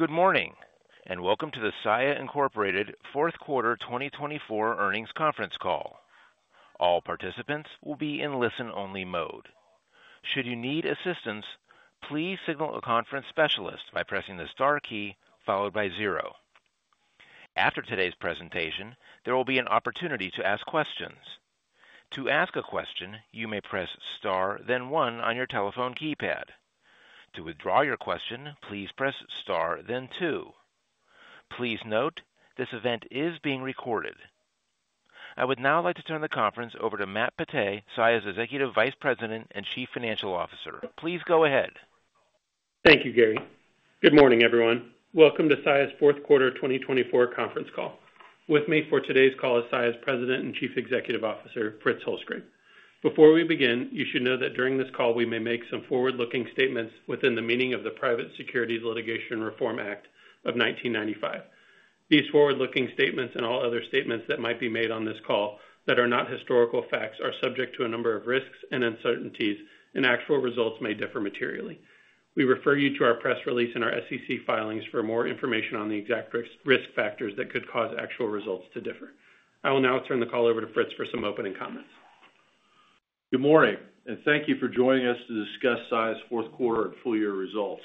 Good morning, and welcome to the Saia Incorporated Fourth Quarter 2024 earnings conference call. All participants will be in listen-only mode. Should you need assistance, please signal a conference specialist by pressing the star key followed by zero. After today's presentation, there will be an opportunity to ask questions. To ask a question, you may press star, then one on your telephone keypad. To withdraw your question, please press star, then two. Please note, this event is being recorded. I would now like to turn the conference over to Matt Batteh, Saia's Executive Vice President and Chief Financial Officer. Please go ahead. Thank you, Gary. Good morning, everyone. Welcome to Saia's Fourth Quarter 2024 conference call. With me for today's call is Saia's President and Chief Executive Officer, Fritz Holzgrefe. Before we begin, you should know that during this call, we may make some forward-looking statements within the meaning of the Private Securities Litigation Reform Act of 1995. These forward-looking statements and all other statements that might be made on this call that are not historical facts are subject to a number of risks and uncertainties, and actual results may differ materially. We refer you to our press release and our SEC filings for more information on the exact risk factors that could cause actual results to differ. I will now turn the call over to Fritz for some opening comments. Good morning, and thank you for joining us to discuss Saia's fourth quarter and full-year results.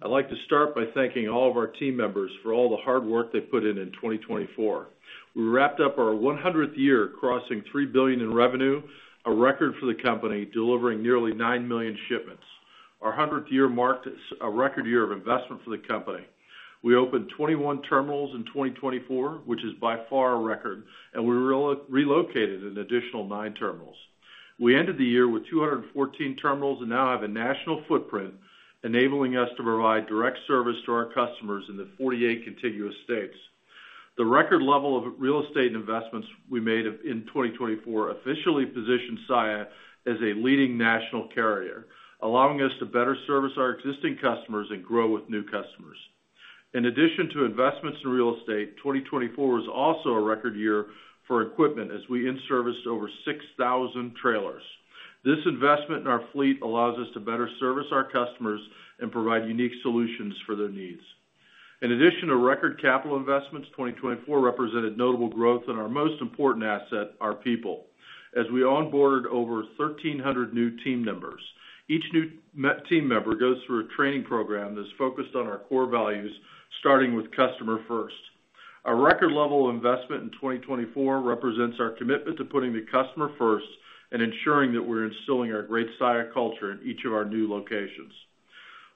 I'd like to start by thanking all of our team members for all the hard work they put in in 2024. We wrapped up our 100th year crossing $3 billion in revenue, a record for the company, delivering nearly nine million shipments. Our 100th year marked a record year of investment for the company. We opened 21 terminals in 2024, which is by far a record, and we relocated an additional nine terminals. We ended the year with 214 terminals and now have a national footprint, enabling us to provide direct service to our customers in the 48 contiguous states. The record level of real estate investments we made in 2024 officially positioned Saia as a leading national carrier, allowing us to better service our existing customers and grow with new customers. In addition to investments in real estate, 2024 was also a record year for equipment as we in-serviced over 6,000 trailers. This investment in our fleet allows us to better service our customers and provide unique solutions for their needs. In addition to record capital investments, 2024 represented notable growth in our most important asset, our people, as we onboarded over 1,300 new team members. Each new team member goes through a training program that is focused on our core values, starting with customer first. Our record level of investment in 2024 represents our commitment to putting the customer first and ensuring that we're instilling our great Saia culture in each of our new locations.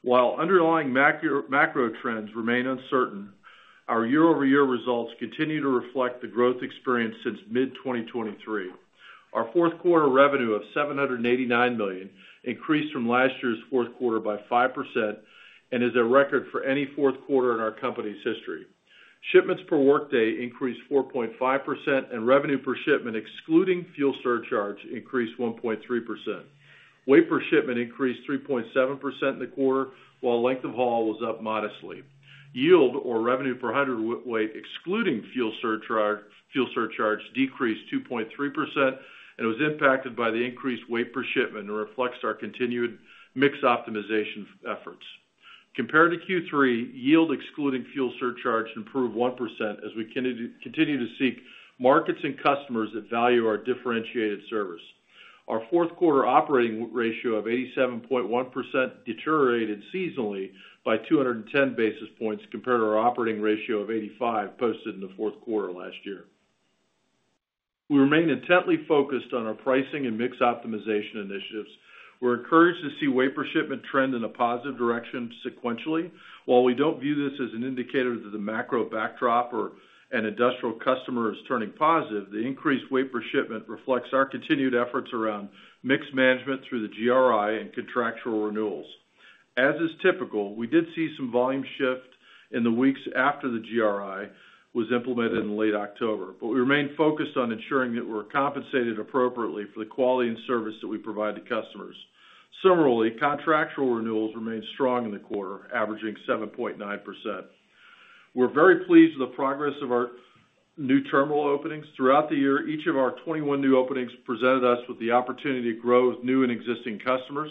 While underlying macro trends remain uncertain, our year-over-year results continue to reflect the growth experienced since mid-2023. Our fourth quarter revenue of $789 million increased from last year's fourth quarter by 5% and is a record for any fourth quarter in our company's history. Shipments per workday increased 4.5%, and revenue per shipment, excluding fuel surcharge, increased 1.3%. Weight per shipment increased 3.7% in the quarter, while length of haul was up modestly. Yield, or revenue per hundredweight, excluding fuel surcharge, decreased 2.3% and was impacted by the increased weight per shipment and reflects our continued mix optimization efforts. Compared to Q3, yield, excluding fuel surcharge, improved 1% as we continue to seek markets and customers that value our differentiated service. Our fourth quarter operating ratio of 87.1% deteriorated seasonally by 210 basis points compared to our operating ratio of 85% posted in the fourth quarter last year. We remain intently focused on our pricing and mix optimization initiatives. We're encouraged to see weight per shipment trend in a positive direction sequentially. While we don't view this as an indicator that the macro backdrop or an industrial customer is turning positive, the increased weight per shipment reflects our continued efforts around mix management through the GRI and contractual renewals. As is typical, we did see some volume shift in the weeks after the GRI was implemented in late October, but we remained focused on ensuring that we're compensated appropriately for the quality and service that we provide to customers. Similarly, contractual renewals remained strong in the quarter, averaging 7.9%. We're very pleased with the progress of our new terminal openings. Throughout the year, each of our 21 new openings presented us with the opportunity to grow with new and existing customers.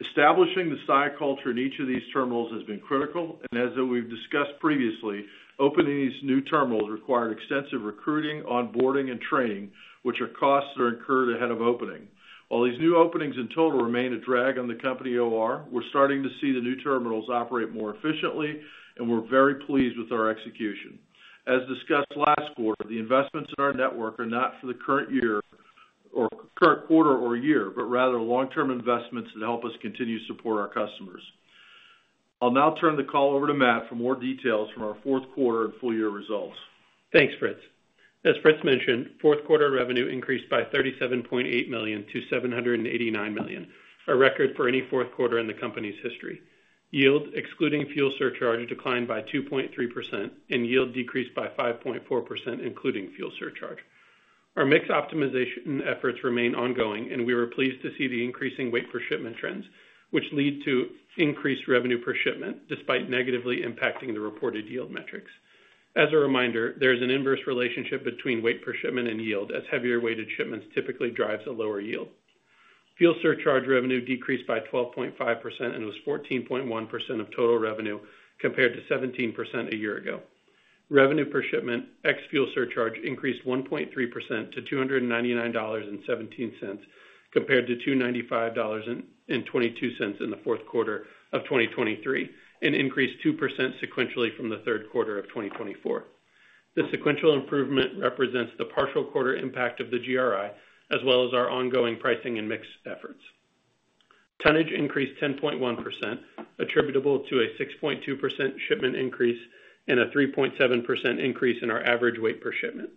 Establishing the Saia culture in each of these terminals has been critical, and as we've discussed previously, opening these new terminals required extensive recruiting, onboarding, and training, which are costs that are incurred ahead of opening. While these new openings in total remain a drag on the company OR, we're starting to see the new terminals operate more efficiently, and we're very pleased with our execution. As discussed last quarter, the investments in our network are not for the current year or current quarter or year, but rather long-term investments that help us continue to support our customers. I'll now turn the call over to Matt for more details from our fourth quarter and full-year results. Thanks, Fritz. As Fritz mentioned, fourth quarter revenue increased by $37.8 million to $789 million, a record for any fourth quarter in the company's history. Yield, excluding fuel surcharge, declined by 2.3%, and yield decreased by 5.4%, including fuel surcharge. Our mix optimization efforts remain ongoing, and we were pleased to see the increasing weight per shipment trends, which lead to increased revenue per shipment despite negatively impacting the reported yield metrics. As a reminder, there is an inverse relationship between weight per shipment and yield, as heavier weighted shipments typically drive a lower yield. Fuel surcharge revenue decreased by 12.5% and was 14.1% of total revenue compared to 17% a year ago. Revenue per shipment, ex fuel surcharge, increased 1.3% to $299.17 compared to $295.22 in the fourth quarter of 2023 and increased 2% sequentially from the third quarter of 2024. The sequential improvement represents the partial quarter impact of the GRI, as well as our ongoing pricing and mix efforts. Tonnage increased 10.1%, attributable to a 6.2% shipment increase and a 3.7% increase in our average weight per shipment.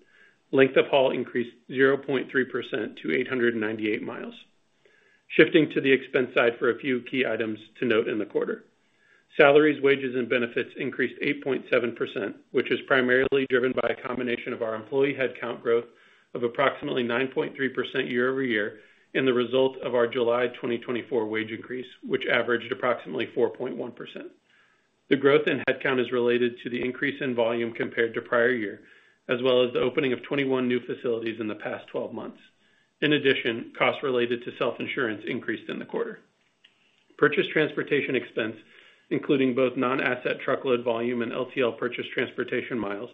Length of haul increased 0.3% to 898 miles. Shifting to the expense side for a few key items to note in the quarter. Salaries, wages, and benefits increased 8.7%, which is primarily driven by a combination of our employee headcount growth of approximately 9.3% year-over-year and the result of our July 2024 wage increase, which averaged approximately 4.1%. The growth in headcount is related to the increase in volume compared to prior year, as well as the opening of 21 new facilities in the past 12 months. In addition, costs related to self-insurance increased in the quarter. Purchase transportation expense, including both non-asset truckload volume and LTL purchase transportation miles,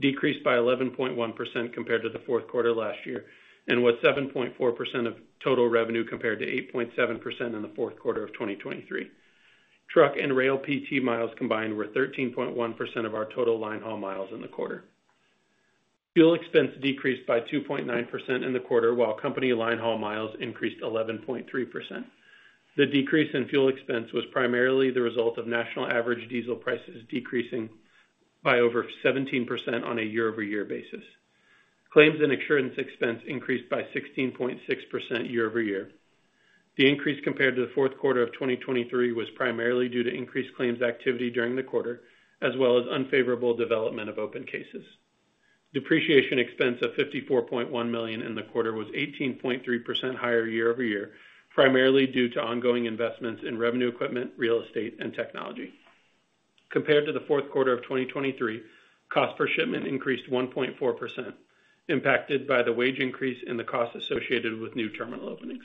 decreased by 11.1% compared to the fourth quarter last year and was 7.4% of total revenue compared to 8.7% in the fourth quarter of 2023. Truck and rail PT miles combined were 13.1% of our total linehaul miles in the quarter. Fuel expense decreased by 2.9% in the quarter, while company linehaul miles increased 11.3%. The decrease in fuel expense was primarily the result of national average diesel prices decreasing by over 17% on a year-over-year basis. Claims and insurance expense increased by 16.6% year-over-year. The increase compared to the fourth quarter of 2023 was primarily due to increased claims activity during the quarter, as well as unfavorable development of open cases. Depreciation expense of $54.1 million in the quarter was 18.3% higher year-over-year, primarily due to ongoing investments in revenue equipment, real estate, and technology. Compared to the fourth quarter of 2023, cost per shipment increased 1.4%, impacted by the wage increase and the costs associated with new terminal openings.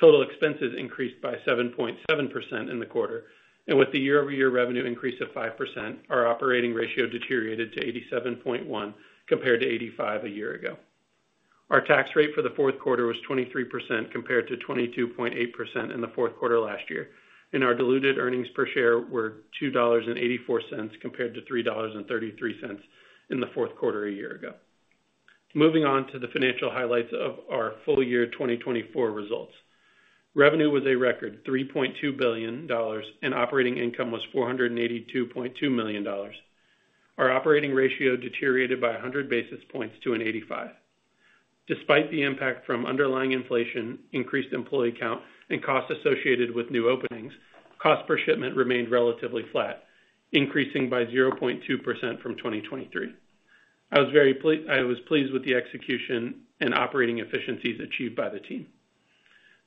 Total expenses increased by 7.7% in the quarter, and with the year-over-year revenue increase of 5%, our operating ratio deteriorated to 87.1 compared to 85 a year ago. Our tax rate for the fourth quarter was 23% compared to 22.8% in the fourth quarter last year, and our diluted earnings per share were $2.84 compared to $3.33 in the fourth quarter a year ago. Moving on to the financial highlights of our full-year 2024 results. Revenue was a record $3.2 billion, and operating income was $482.2 million. Our operating ratio deteriorated by 100 basis points to an 85. Despite the impact from underlying inflation, increased employee count, and costs associated with new openings, cost per shipment remained relatively flat, increasing by 0.2% from 2023. I was very pleased with the execution and operating efficiencies achieved by the team.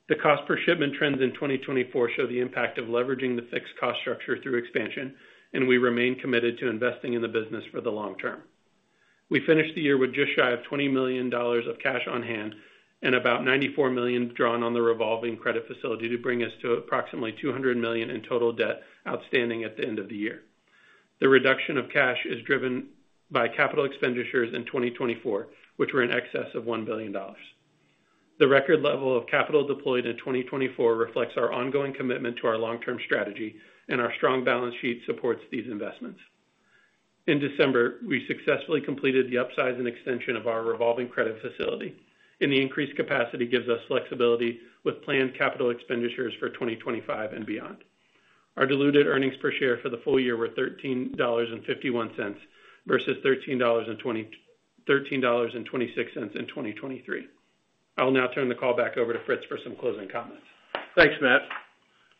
The cost per shipment trends in 2024 show the impact of leveraging the fixed cost structure through expansion, and we remain committed to investing in the business for the long term. We finished the year with just shy of $20 million of cash on hand and about $94 million drawn on the revolving credit facility to bring us to approximately $200 million in total debt outstanding at the end of the year. The reduction of cash is driven by capital expenditures in 2024, which were in excess of $1 billion. The record level of capital deployed in 2024 reflects our ongoing commitment to our long-term strategy, and our strong balance sheet supports these investments. In December, we successfully completed the upsize and extension of our revolving credit facility, and the increased capacity gives us flexibility with planned capital expenditures for 2025 and beyond. Our diluted earnings per share for the full year were $13.51 versus $13.26 in 2023. I'll now turn the call back over to Fritz for some closing comments. Thanks, Matt.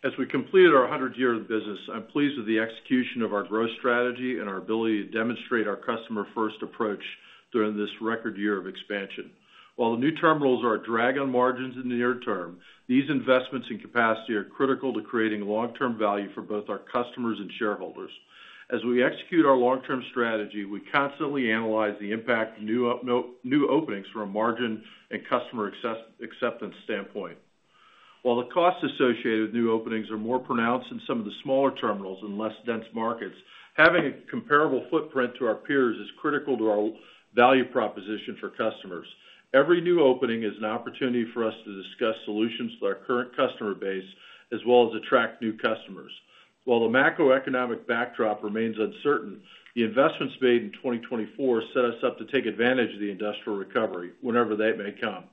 As we completed our 100th year of business, I'm pleased with the execution of our growth strategy and our ability to demonstrate our customer-first approach during this record year of expansion. While the new terminals are a drag on margins in the near term, these investments in capacity are critical to creating long-term value for both our customers and shareholders. As we execute our long-term strategy, we constantly analyze the impact of new openings from a margin and customer acceptance standpoint. While the costs associated with new openings are more pronounced in some of the smaller terminals and less dense markets, having a comparable footprint to our peers is critical to our value proposition for customers. Every new opening is an opportunity for us to discuss solutions to our current customer base as well as attract new customers. While the macroeconomic backdrop remains uncertain, the investments made in 2024 set us up to take advantage of the industrial recovery whenever that may come.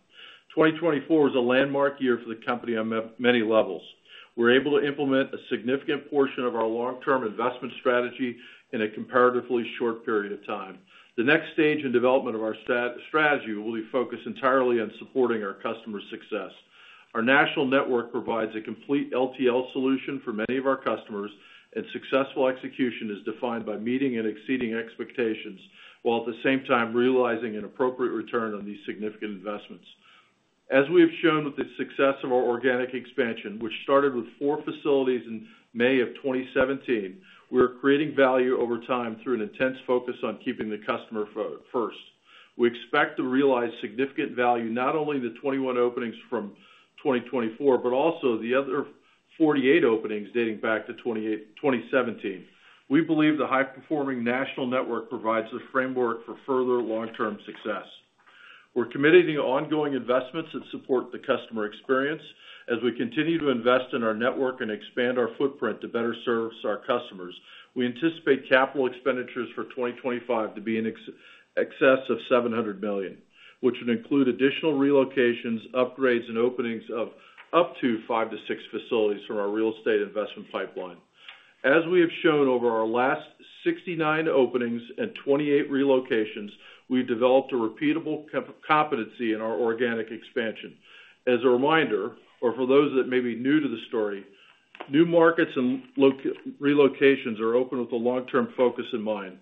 2024 was a landmark year for the company on many levels. We're able to implement a significant portion of our long-term investment strategy in a comparatively short period of time. The next stage in development of our strategy will be focused entirely on supporting our customer success. Our national network provides a complete LTL solution for many of our customers, and successful execution is defined by meeting and exceeding expectations while at the same time realizing an appropriate return on these significant investments. As we have shown with the success of our organic expansion, which started with four facilities in May of 2017, we are creating value over time through an intense focus on keeping the customer first. We expect to realize significant value not only in the 21 openings from 2024, but also the other 48 openings dating back to 2017. We believe the high-performing national network provides the framework for further long-term success. We're committed to ongoing investments that support the customer experience as we continue to invest in our network and expand our footprint to better serve our customers. We anticipate capital expenditures for 2025 to be in excess of $700 million, which would include additional relocations, upgrades, and openings of up to five to six facilities from our real estate investment pipeline. As we have shown over our last 69 openings and 28 relocations, we've developed a repeatable competency in our organic expansion. As a reminder, or for those that may be new to the story, new markets and relocations are open with a long-term focus in mind.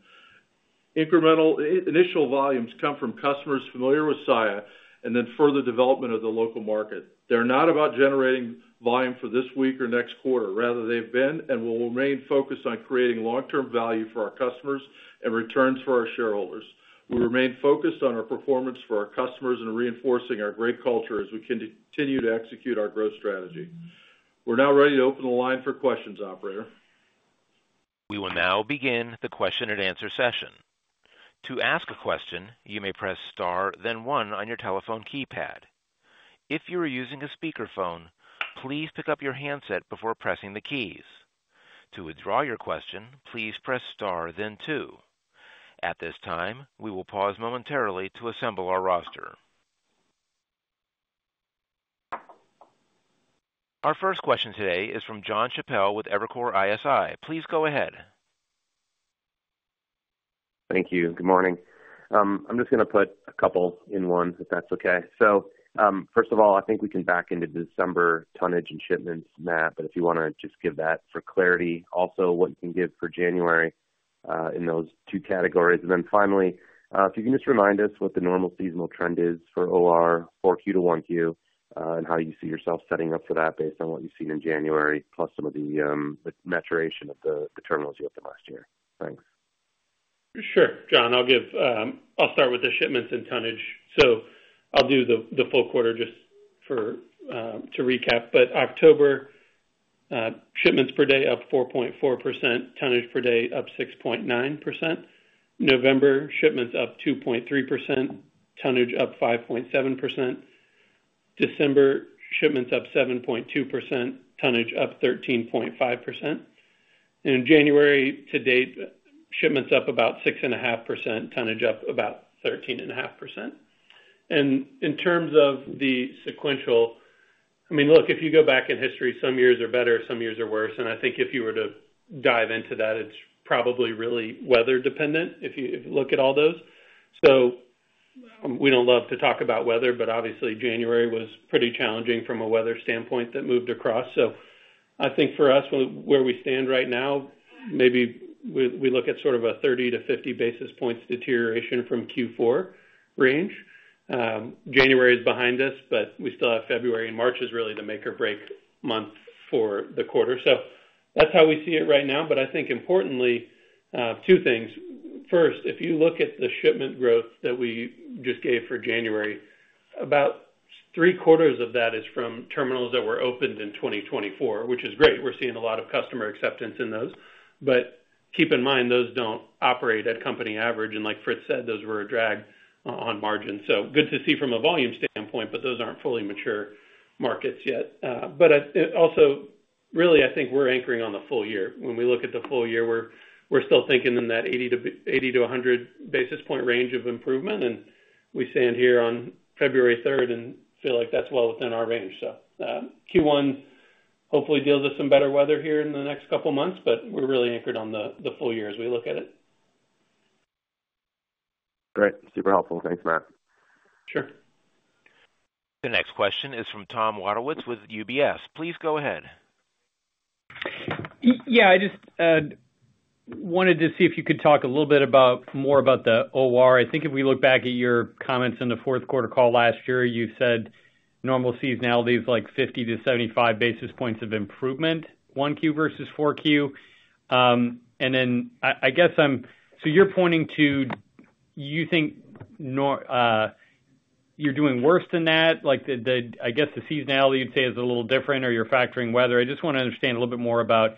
Incremental initial volumes come from customers familiar with Saia and then further development of the local market. They're not about generating volume for this week or next quarter. Rather, they've been and will remain focused on creating long-term value for our customers and returns for our shareholders. We remain focused on our performance for our customers and reinforcing our great culture as we continue to execute our growth strategy. We're now ready to open the line for questions, operator. We will now begin the question-and-answer session. To ask a question, you may press star, then one on your telephone keypad. If you are using a speakerphone, please pick up your handset before pressing the keys. To withdraw your question, please press star, then two. At this time, we will pause momentarily to assemble our roster. Our first question today is from John Chappell with Evercore ISI. Please go ahead. Thank you. Good morning. I'm just going to put a couple in one, if that's okay. First of all, I think we can back into December tonnage and shipments maybe, but if you want to just give that for clarity. Also, what you can give for January in those two categories. Then finally, if you can just remind us what the normal seasonal trend is for OR for Q1 and Q2 and how you see yourself setting up for that based on what you've seen in January, plus some of the maturation of the terminals you opened last year. Thanks. Sure. John, I'll start with the shipments and tonnage. So I'll do the full quarter just to recap. But October, shipments per day up 4.4%, tonnage per day up 6.9%. November, shipments up 2.3%, tonnage up 5.7%. December, shipments up 7.2%, tonnage up 13.5%. And in January to date, shipments up about 6.5%, tonnage up about 13.5%. And in terms of the sequential, I mean, look, if you go back in history, some years are better, some years are worse. And I think if you were to dive into that, it's probably really weather-dependent if you look at all those. So we don't love to talk about weather, but obviously, January was pretty challenging from a weather standpoint that moved across. So I think for us, where we stand right now, maybe we look at sort of a 30 to 50 basis points deterioration from Q4 range. January is behind us, but we still have February, and March is really the make-or-break month for the quarter, so that's how we see it right now. But I think importantly, two things. First, if you look at the shipment growth that we just gave for January, about three-quarters of that is from terminals that were opened in 2024, which is great. We're seeing a lot of customer acceptance in those. But keep in mind, those don't operate at company average. And like Fritz said, those were a drag on margin. So good to see from a volume standpoint, but those aren't fully mature markets yet. But also, really, I think we're anchoring on the full year. When we look at the full year, we're still thinking in that 80 to 100 basis point range of improvement. We stand here on February 3rd and feel like that's well within our range. Q1 hopefully deals with some better weather here in the next couple of months, but we're really anchored on the full year as we look at it. Great. Super helpful. Thanks, Matt. Sure. The next question is from Tom Wadewitz with UBS. Please go ahead. Yeah. I just wanted to see if you could talk a little bit more about the OR. I think if we look back at your comments in the fourth quarter call last year, you said normal seasonality is like 50 to 75 basis points of improvement, 1Q versus 4Q. And then I guess, so you're pointing to you think you're doing worse than that. I guess the seasonality you'd say is a little different or you're factoring weather. I just want to understand a little bit more about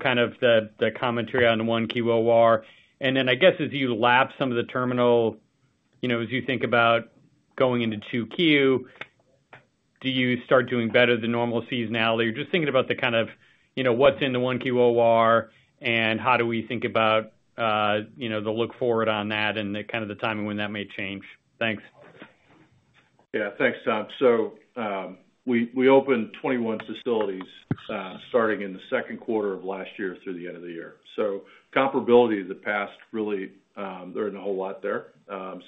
kind of the commentary on the 1Q OR. And then I guess as you lap some of the terminal, as you think about going into 2Q, do you start doing better than normal seasonality? Just thinking about the kind of what's in the 1Q OR and how do we think about the look forward on that and kind of the timing when that may change? Thanks. Yeah. Thanks, Tom. So we opened 21 facilities starting in the second quarter of last year through the end of the year. So comparability of the past, really, there isn't a whole lot there.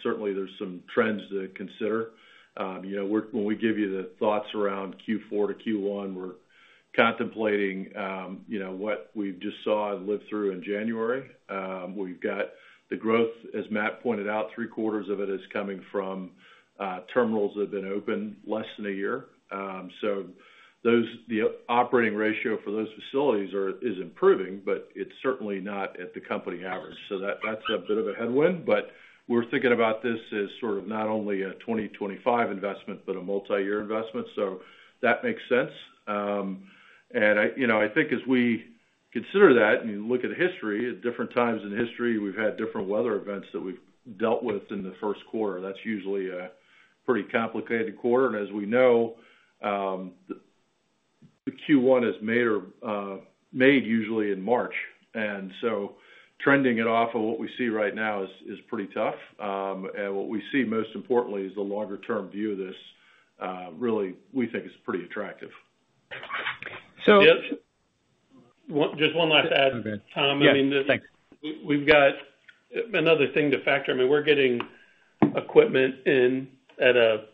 Certainly, there's some trends to consider. When we give you the thoughts around Q4 to Q1, we're contemplating what we just saw and lived through in January. We've got the growth, as Matt pointed out, three-quarters of it is coming from terminals that have been opened less than a year. So the operating ratio for those facilities is improving, but it's certainly not at the company average. So that's a bit of a headwind. But we're thinking about this as sort of not only a 2025 investment, but a multi-year investment. So that makes sense. And I think as we consider that and you look at history, at different times in history, we've had different weather events that we've dealt with in the first quarter. That's usually a pretty complicated quarter. And as we know, Q1 is made usually in March. And so trending it off of what we see right now is pretty tough. And what we see, most importantly, is the longer-term view of this really, we think, is pretty attractive. Just one last add, Tom. I mean, we've got another thing to factor. I mean, we're getting equipment in at a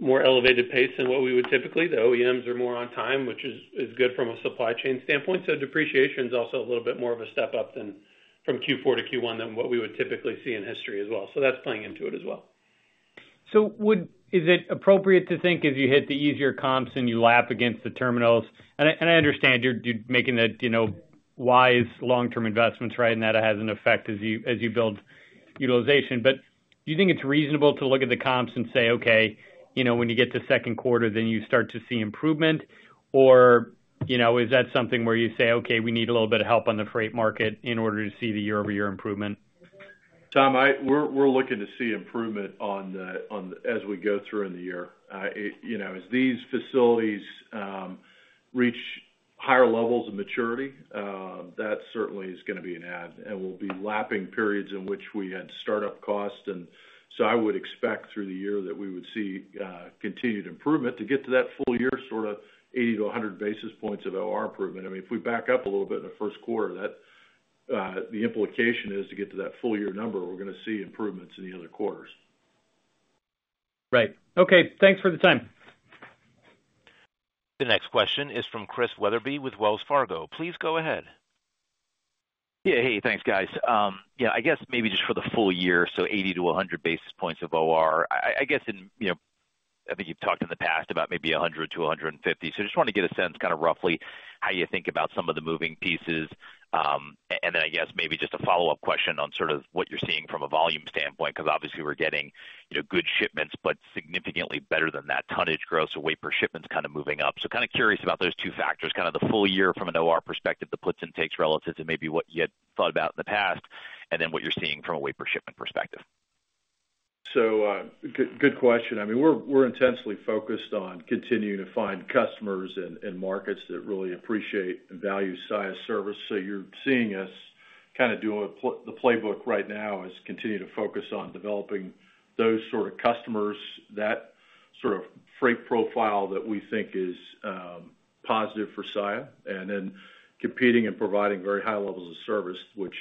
more elevated pace than what we would typically. The OEMs are more on time, which is good from a supply chain standpoint. So depreciation is also a little bit more of a step up from Q4 to Q1 than what we would typically see in history as well. So that's playing into it as well. So is it appropriate to think as you hit the easier comps and you lap against the terminals? And I understand you're making that wise long-term investments, right, and that it has an effect as you build utilization. But do you think it's reasonable to look at the comps and say, "Okay, when you get to second quarter, then you start to see improvement"? Or is that something where you say, "Okay, we need a little bit of help on the freight market in order to see the year-over-year improvement"? Tom, we're looking to see improvement as we go through in the year. As these facilities reach higher levels of maturity, that certainly is going to be an add. And we'll be lapping periods in which we had startup costs. And so I would expect through the year that we would see continued improvement to get to that full year, sort of 80-100 basis points of OR improvement. I mean, if we back up a little bit in the first quarter, the implication is to get to that full-year number, we're going to see improvements in the other quarters. Right. Okay. Thanks for the time. The next question is from Chris Wetherbee with Wells Fargo. Please go ahead. Yeah. Hey, thanks, guys. Yeah. I guess maybe just for the full year, so 80-100 basis points of OR. I guess I think you've talked in the past about maybe 100-150. So I just want to get a sense kind of roughly how you think about some of the moving pieces. And then I guess maybe just a follow-up question on sort of what you're seeing from a volume standpoint because obviously we're getting good shipments, but significantly better than that tonnage growth, so weight per shipments kind of moving up. So kind of curious about those two factors, kind of the full year from an OR perspective, the puts and takes relative to maybe what you had thought about in the past, and then what you're seeing from a weight per shipment perspective. So good question. I mean, we're intensely focused on continuing to find customers and markets that really appreciate and value Saia's service. So you're seeing us kind of doing the playbook right now is continue to focus on developing those sort of customers, that sort of freight profile that we think is positive for Saia, and then competing and providing very high levels of service, which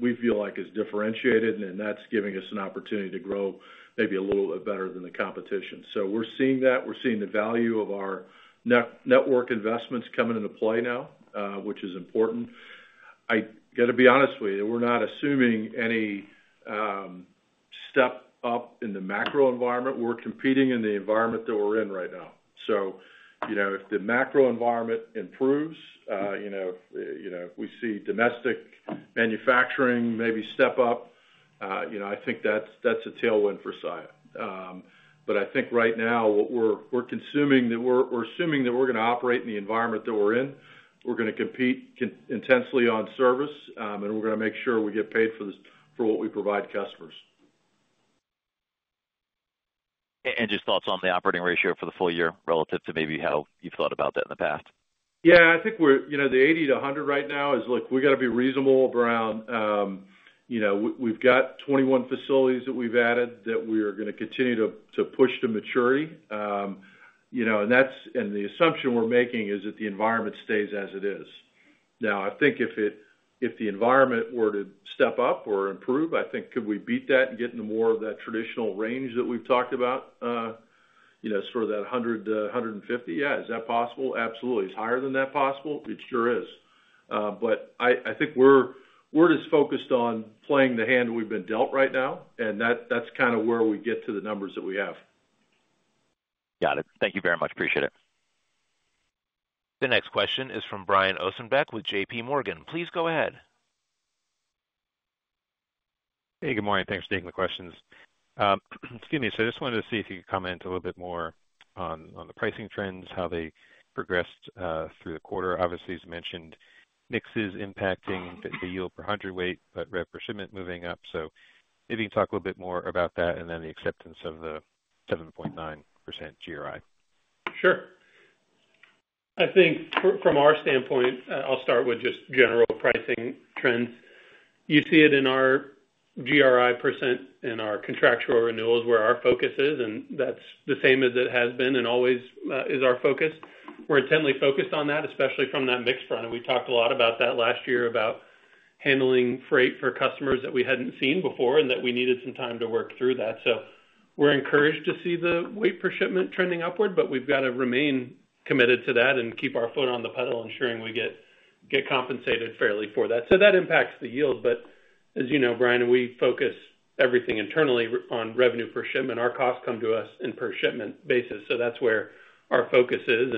we feel like is differentiated. And that's giving us an opportunity to grow maybe a little bit better than the competition. So we're seeing that. We're seeing the value of our network investments coming into play now, which is important. I got to be honest with you, we're not assuming any step up in the macro environment. We're competing in the environment that we're in right now. So if the macro environment improves, if we see domestic manufacturing maybe step up, I think that's a tailwind for Saia. But I think right now, we're assuming that we're going to operate in the environment that we're in. We're going to compete intensely on service, and we're going to make sure we get paid for what we provide customers. Just thoughts on the operating ratio for the full year relative to maybe how you've thought about that in the past? Yeah. I think the 80-100 right now is, look, we've got to be reasonable around we've got 21 facilities that we've added that we are going to continue to push to maturity. And the assumption we're making is that the environment stays as it is. Now, I think if the environment were to step up or improve, I think could we beat that and get into more of that traditional range that we've talked about, sort of that 100-150? Yeah. Is that possible? Absolutely. It's higher than that possible. It sure is. But I think we're just focused on playing the hand we've been dealt right now. And that's kind of where we get to the numbers that we have. Got it. Thank you very much. Appreciate it. The next question is from Brian Ossenbeck with JPMorgan. Please go ahead. Hey, good morning. Thanks for taking the questions. Excuse me. So I just wanted to see if you could comment a little bit more on the pricing trends, how they progressed through the quarter. Obviously, as you mentioned, mix is impacting the yield per hundredweight, but rep per shipment moving up. So maybe you can talk a little bit more about that and then the acceptance of the 7.9% GRI. Sure. I think from our standpoint, I'll start with just general pricing trends. You see it in our GRI % in our contractual renewals where our focus is, and that's the same as it has been and always is our focus. We're intently focused on that, especially from that mixed front, and we talked a lot about that last year about handling freight for customers that we hadn't seen before and that we needed some time to work through that, so we're encouraged to see the weight per shipment trending upward, but we've got to remain committed to that and keep our foot on the pedal, ensuring we get compensated fairly for that. So that impacts the yield, but as you know, Brian, we focus everything internally on revenue per shipment. Our costs come to us in per shipment basis, so that's where our focus is.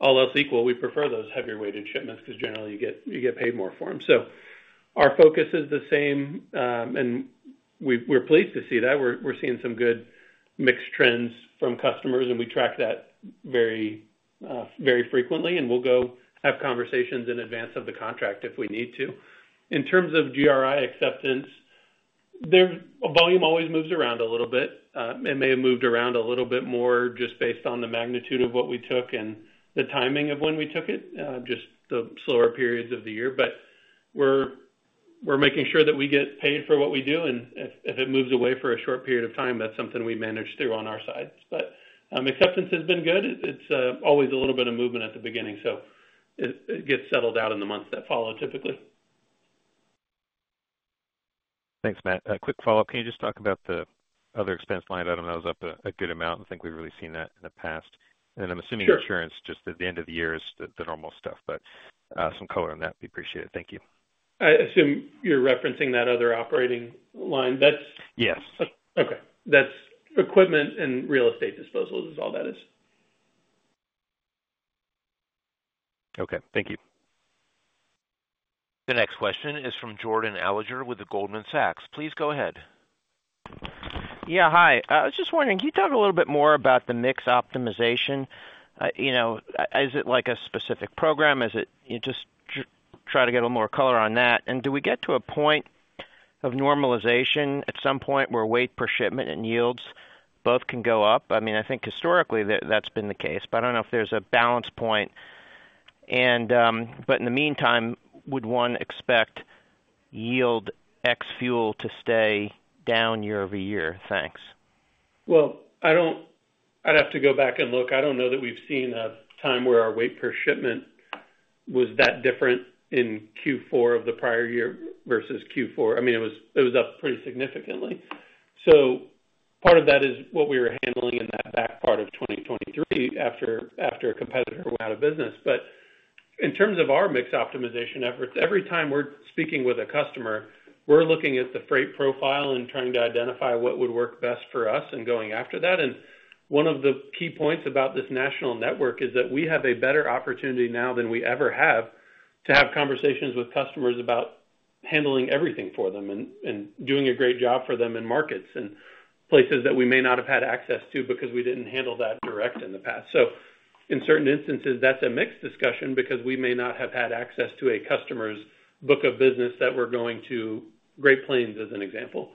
All else equal, we prefer those heavier-weighted shipments because generally, you get paid more for them. So our focus is the same, and we're pleased to see that. We're seeing some good mix trends from customers, and we track that very frequently. And we'll go have conversations in advance of the contract if we need to. In terms of GRI acceptance, volume always moves around a little bit. It may have moved around a little bit more just based on the magnitude of what we took and the timing of when we took it, just the slower periods of the year. But we're making sure that we get paid for what we do. And if it moves away for a short period of time, that's something we manage through on our side. But acceptance has been good. It's always a little bit of movement at the beginning. So it gets settled out in the months that follow typically. Thanks, Matt. Quick follow-up. Can you just talk about the other expense line? I don't know. It was up a good amount. I think we've really seen that in the past. And then I'm assuming insurance just at the end of the year is the normal stuff, but some color on that. We appreciate it. Thank you. I assume you're referencing that other operating line. That's. Yes. Okay. That's equipment and real estate disposals is all that is. Okay. Thank you. The next question is from Jordan Alliger with Goldman Sachs. Please go ahead. Yeah. Hi. I was just wondering, can you talk a little bit more about the mix optimization? Is it like a specific program? Just try to get a little more color on that. And do we get to a point of normalization at some point where average shipment and yields both can go up? I mean, I think historically that's been the case, but I don't know if there's a balance point. But in the meantime, would one expect yield ex fuel to stay down year-over-year? Thanks. I'd have to go back and look. I don't know that we've seen a time where our average shipment was that different in Q4 of the prior year versus Q4. I mean, it was up pretty significantly. Part of that is what we were handling in that back part of 2023 after a competitor went out of business. In terms of our mix optimization efforts, every time we're speaking with a customer, we're looking at the freight profile and trying to identify what would work best for us and going after that. One of the key points about this national network is that we have a better opportunity now than we ever have to have conversations with customers about handling everything for them and doing a great job for them in markets and places that we may not have had access to because we didn't handle that directly in the past. So in certain instances, that's a mixed discussion because we may not have had access to a customer's book of business that we're going to Great Plains as an example.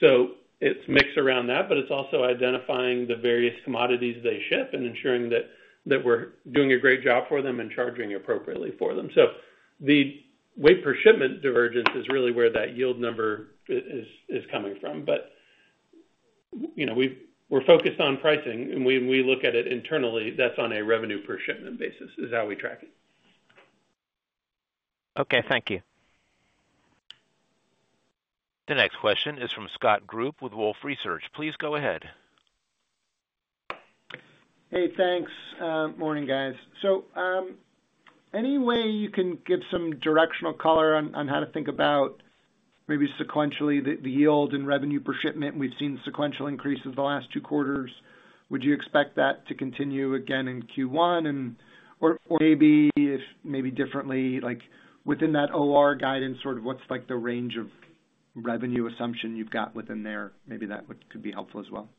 So it's mixed around that, but it's also identifying the various commodities they ship and ensuring that we're doing a great job for them and charging appropriately for them. So the weight per shipment divergence is really where that yield number is coming from. But we're focused on pricing, and when we look at it internally, that's on a revenue per shipment basis, is how we track it. Okay. Thank you. The next question is from Scott Group with Wolfe Research. Please go ahead. Hey, thanks. Morning, guys. So any way you can give some directional color on how to think about maybe sequentially the yield and revenue per shipment? We've seen sequential increases the last two quarters. Would you expect that to continue again in Q1? Or maybe differently, within that OR guidance, sort of what's the range of revenue assumption you've got within there? Maybe that could be helpful as well.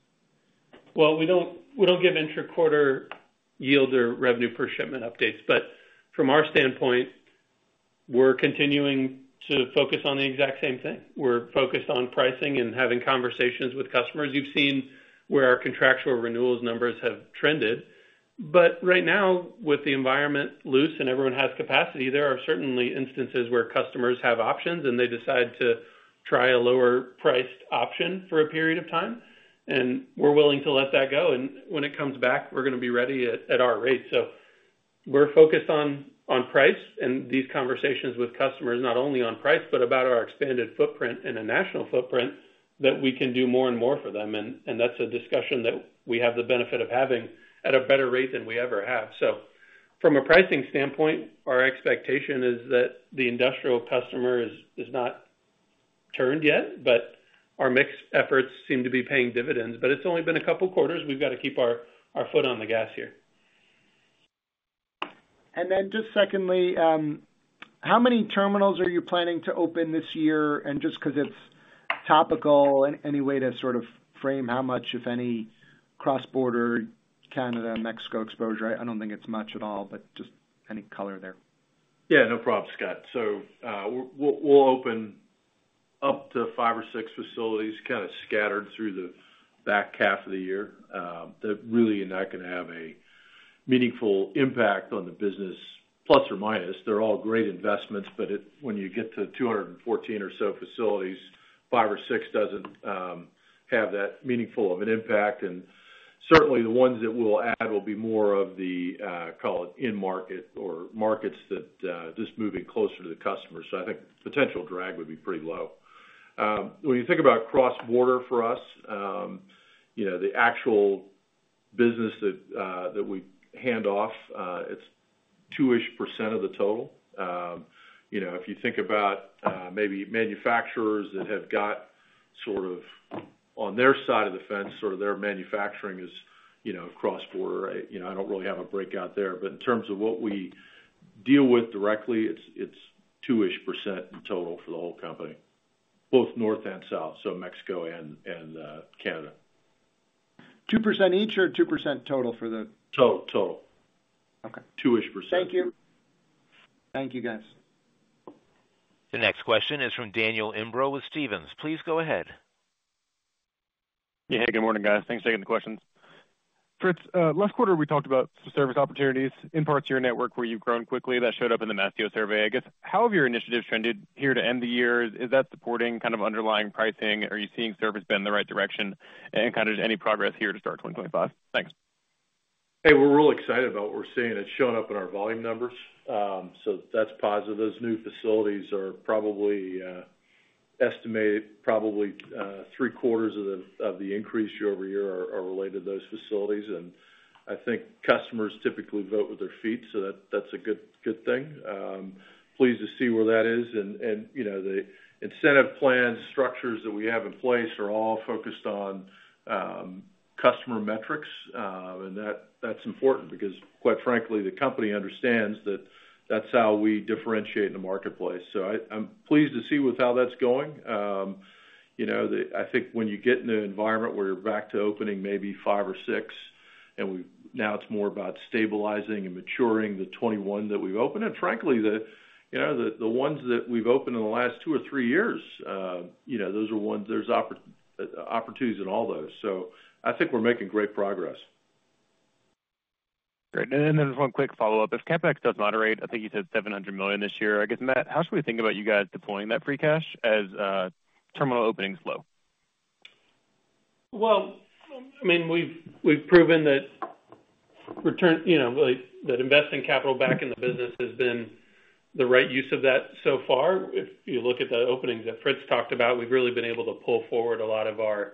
Well, we don't give intra-quarter yield or revenue per shipment updates. But from our standpoint, we're continuing to focus on the exact same thing. We're focused on pricing and having conversations with customers. You've seen where our contractual renewals numbers have trended. But right now, with the environment loose and everyone has capacity, there are certainly instances where customers have options and they decide to try a lower-priced option for a period of time. And we're willing to let that go. And when it comes back, we're going to be ready at our rate. So we're focused on price and these conversations with customers, not only on price, but about our expanded footprint and a national footprint that we can do more and more for them. And that's a discussion that we have the benefit of having at a better rate than we ever have. So from a pricing standpoint, our expectation is that the industrial customer is not turned yet, but our mixed efforts seem to be paying dividends. But it's only been a couple of quarters. We've got to keep our foot on the gas here. And then just secondly, how many terminals are you planning to open this year? And just because it's topical, any way to sort of frame how much, if any, cross-border Canada and Mexico exposure? I don't think it's much at all, but just any color there. Yeah. No problem, Scott. So we'll open up to five or six facilities kind of scattered through the back half of the year that really are not going to have a meaningful impact on the business, plus or minus. They're all great investments, but when you get to 214 or so facilities, five or six doesn't have that meaningful of an impact. And certainly, the ones that we'll add will be more of the, call it in-market or markets that just move in closer to the customer. So I think potential drag would be pretty low. When you think about cross-border for us, the actual business that we hand off, it's two-ish % of the total. If you think about maybe manufacturers that have got sort of on their side of the fence, sort of their manufacturing is cross-border. I don't really have a breakout there. But in terms of what we deal with directly, it's two-ish% in total for the whole company, both north and south, so Mexico and Canada. 2% each or 2% total for the. Total. Two-ish %. Thank you. Thank you, guys. The next question is from Daniel Imbro with Stephens. Please go ahead. Yeah. Hey, good morning, guys. Thanks for taking the questions. Fritz, last quarter, we talked about some service opportunities in parts of your network where you've grown quickly. That showed up in the Mastio survey. I guess, how have your initiatives trended here to end the year? Is that supporting kind of underlying pricing? Are you seeing service bend in the right direction, and kind of any progress here to start 2025? Thanks. Hey, we're really excited about what we're seeing. It's showing up in our volume numbers. So that's positive. Those new facilities are probably estimated, probably three-quarters of the increase year-over-year are related to those facilities. And I think customers typically vote with their feet, so that's a good thing. Pleased to see where that is. And the incentive plan structures that we have in place are all focused on customer metrics. And that's important because, quite frankly, the company understands that that's how we differentiate in the marketplace. So I'm pleased to see with how that's going. I think when you get in the environment where you're back to opening maybe five or six, and now it's more about stabilizing and maturing the 2021 that we've opened. Frankly, the ones that we've opened in the last two or three years, those are ones there's opportunities in all those. So I think we're making great progress. Great. And then there's one quick follow-up. If CapEx does moderate, I think you said $700 million this year. I guess, Matt, how should we think about you guys deploying that free cash as terminal openings slow? I mean, we've proven that investing capital back in the business has been the right use of that so far. If you look at the openings that Fritz talked about, we've really been able to pull forward a lot of our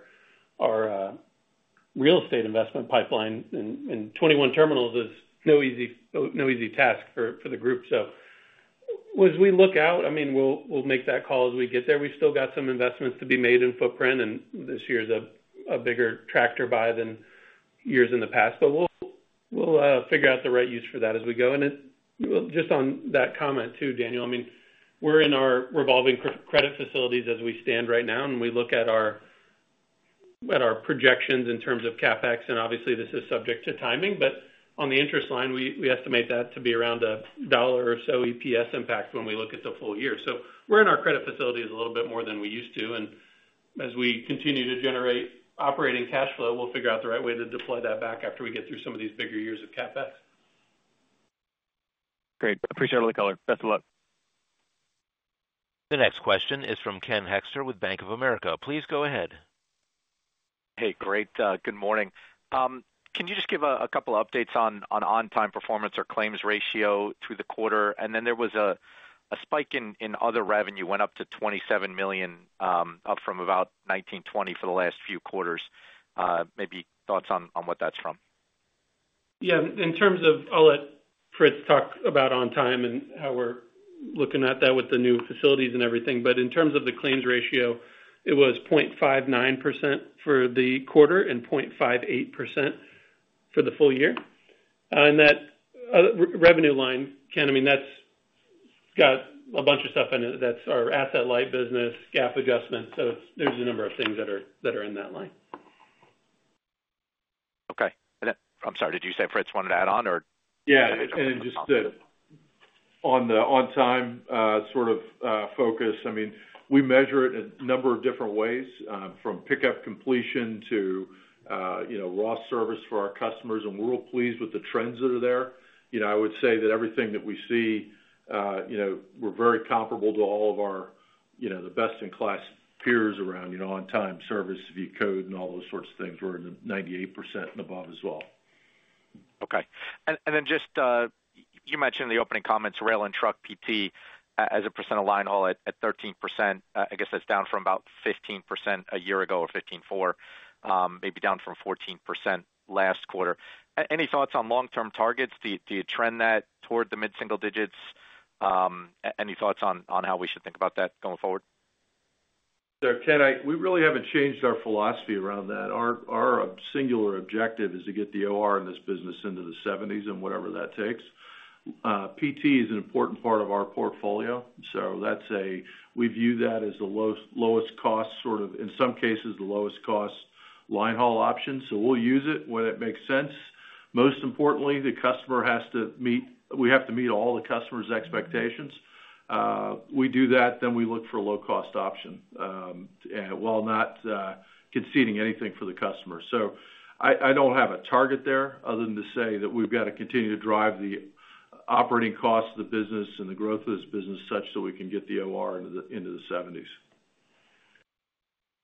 real estate investment pipeline. 21 terminals is no easy task for the group. As we look out, I mean, we'll make that call as we get there. We've still got some investments to be made in footprint, and this year's a bigger tractor buy than years in the past. We'll figure out the right use for that as we go. Just on that comment too, Daniel, I mean, we're in our revolving credit facilities as we stand right now. We look at our projections in terms of CapEx. Obviously, this is subject to timing. But on the interest line, we estimate that to be around $1 or so EPS impact when we look at the full year. So we're in our credit facilities a little bit more than we used to. And as we continue to generate operating cash flow, we'll figure out the right way to deploy that back after we get through some of these bigger years of CapEx. Great. Appreciate all the color. Best of luck. The next question is from Ken Hoexter with Bank of America. Please go ahead. Hey, great. Good morning. Can you just give a couple of updates on on-time performance or claims ratio through the quarter? And then there was a spike in other revenue, went up to $27 million, up from about $19-$20 million for the last few quarters. Maybe thoughts on what that's from? Yeah. In terms of, I'll let Fritz talk about on-time and how we're looking at that with the new facilities and everything. But in terms of the claims ratio, it was 0.59% for the quarter and 0.58% for the full year. And that revenue line, Ken, I mean, that's got a bunch of stuff in it. That's our asset-light business, GAAP adjustment. So there's a number of things that are in that line. Okay. I'm sorry. Did you say Fritz wanted to add on or? Yeah, and just on the on-time sort of focus, I mean, we measure it in a number of different ways from pickup completion to raw service for our customers, and we're real pleased with the trends that are there. I would say that everything that we see, we're very comparable to all of our best-in-class peers around on-time service, V code, and all those sorts of things. We're in the 98% and above as well. Okay. And then just you mentioned the opening comments, rail and truck PT as a percent of linehaul all at 13%. I guess that's down from about 15% a year ago or 15.4%, maybe down from 14% last quarter. Any thoughts on long-term targets? Do you trend that toward the mid-single digits? Any thoughts on how we should think about that going forward? So Ken, we really haven't changed our philosophy around that. Our singular objective is to get the OR in this business into the 70s and whatever that takes. PT is an important part of our portfolio. So we view that as the lowest cost sort of, in some cases, the lowest cost line haul option. So we'll use it when it makes sense. Most importantly, we have to meet all the customer's expectations. We do that, then we look for a low-cost option while not conceding anything for the customer. So I don't have a target there other than to say that we've got to continue to drive the operating costs of the business and the growth of this business such that we can get the OR into the 70s.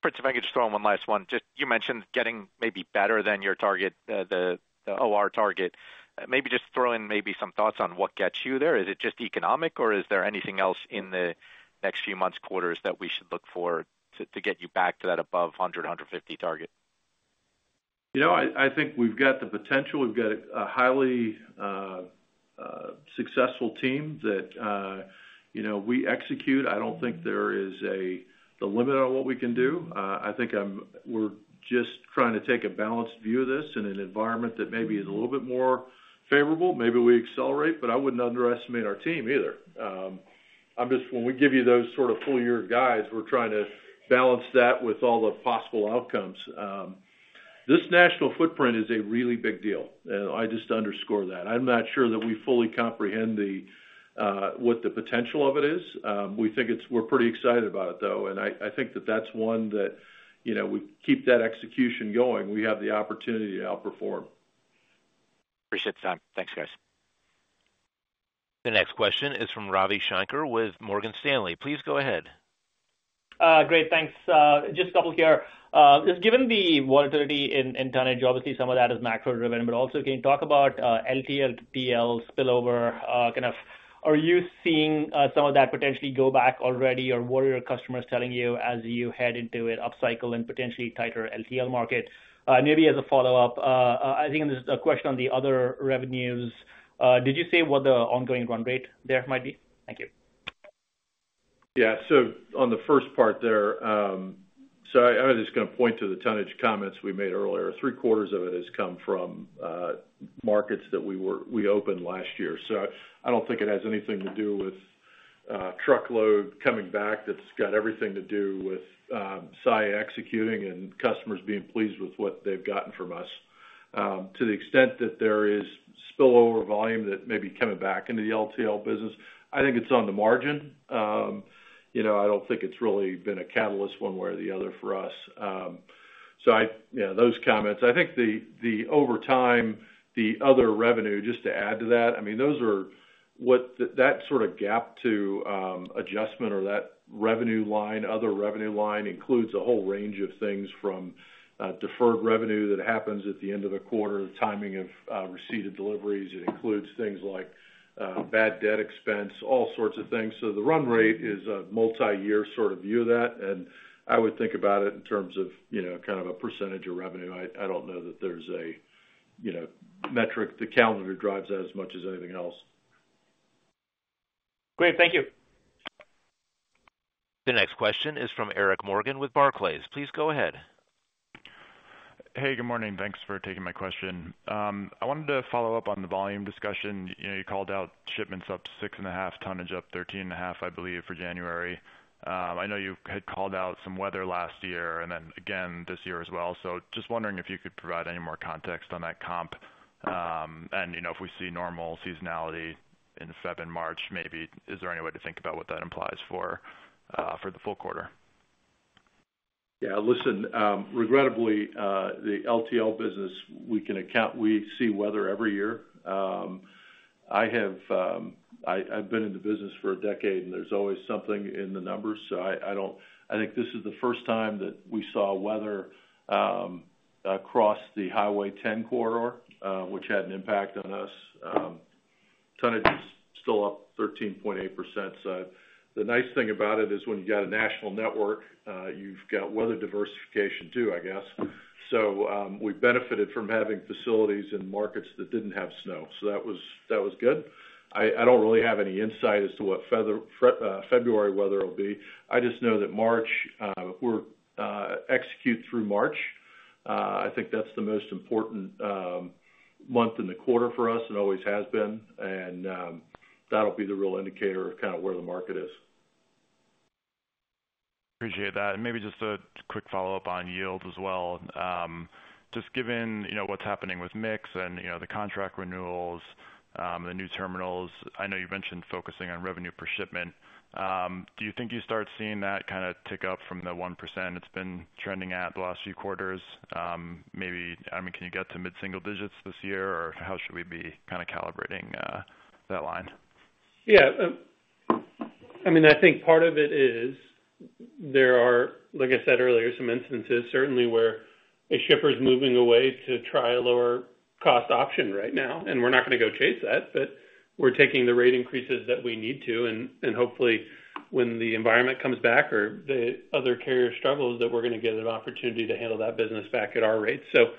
Fritz, if I could just throw in one last one. You mentioned getting maybe better than your target, the OR target. Maybe just throw in maybe some thoughts on what gets you there. Is it just economic, or is there anything else in the next few months, quarters that we should look for to get you back to that above 100, 150 target? I think we've got the potential. We've got a highly successful team that we execute. I don't think there is a limit on what we can do. I think we're just trying to take a balanced view of this in an environment that maybe is a little bit more favorable. Maybe we accelerate, but I wouldn't underestimate our team either. When we give you those sort of full-year guides, we're trying to balance that with all the possible outcomes. This national footprint is a really big deal, and I just underscore that. I'm not sure that we fully comprehend what the potential of it is. We think we're pretty excited about it, though, and I think that that's one that we keep that execution going. We have the opportunity to outperform. Appreciate the time. Thanks, guys. The next question is from Ravi Shanker with Morgan Stanley. Please go ahead. Great. Thanks. Just a couple here. Given the volatility in tonnage, obviously, some of that is macro-driven. But also, can you talk about LTL, TL spillover? Kind of are you seeing some of that potentially go back already, or what are your customers telling you as you head into an upcycle and potentially tighter LTL market? Maybe as a follow-up, I think there's a question on the other revenues. Did you say what the ongoing run rate there might be? Thank you. Yeah. So on the first part there, so I was just going to point to the tonnage comments we made earlier. Three-quarters of it has come from markets that we opened last year. So I don't think it has anything to do with truckload coming back. That's got everything to do with Saia executing and customers being pleased with what they've gotten from us. To the extent that there is spillover volume that may be coming back into the LTL business, I think it's on the margin. I don't think it's really been a catalyst one way or the other for us. So those comments. I think over time, the other revenue, just to add to that, I mean, that sort of gap to adjustment or that revenue line, other revenue line includes a whole range of things from deferred revenue that happens at the end of the quarter, the timing of receipt of deliveries. It includes things like bad debt expense, all sorts of things. So the run rate is a multi-year sort of view of that, and I would think about it in terms of kind of a percentage of revenue. I don't know that there's a metric. The calendar drives that as much as anything else. Great. Thank you. The next question is from Eric Morgan with Barclays. Please go ahead. Hey, good morning. Thanks for taking my question. I wanted to follow up on the volume discussion. You called out shipments up 6.5, tonnage up 13.5, I believe, for January. I know you had called out some weather last year and then again this year as well. So just wondering if you could provide any more context on that comp, and if we see normal seasonality in February and March, maybe, is there any way to think about what that implies for the full quarter? Yeah. Listen, regrettably, the LTL business, we see weather every year. I've been in the business for a decade, and there's always something in the numbers. So I think this is the first time that we saw weather across the Highway 10 corridor, which had an impact on us. Tonnage is still up 13.8%. So the nice thing about it is when you got a national network, you've got weather diversification too, I guess. So we benefited from having facilities in markets that didn't have snow. So that was good. I don't really have any insight as to what February weather will be. I just know that March, we're executing through March. I think that's the most important month in the quarter for us and always has been. And that'll be the real indicator of kind of where the market is. Appreciate that. And maybe just a quick follow-up on yield as well. Just given what's happening with MIX and the contract renewals, the new terminals, I know you mentioned focusing on revenue per shipment. Do you think you start seeing that kind of tick up from the 1% it's been trending at the last few quarters? Maybe, I mean, can you get to mid-single digits this year, or how should we be kind of calibrating that line? Yeah. I mean, I think part of it is there are, like I said earlier, some instances certainly where a shipper is moving away to try a lower cost option right now. And we're not going to go chase that, but we're taking the rate increases that we need to. And hopefully, when the environment comes back or the other carrier struggles, that we're going to get an opportunity to handle that business back at our rates. So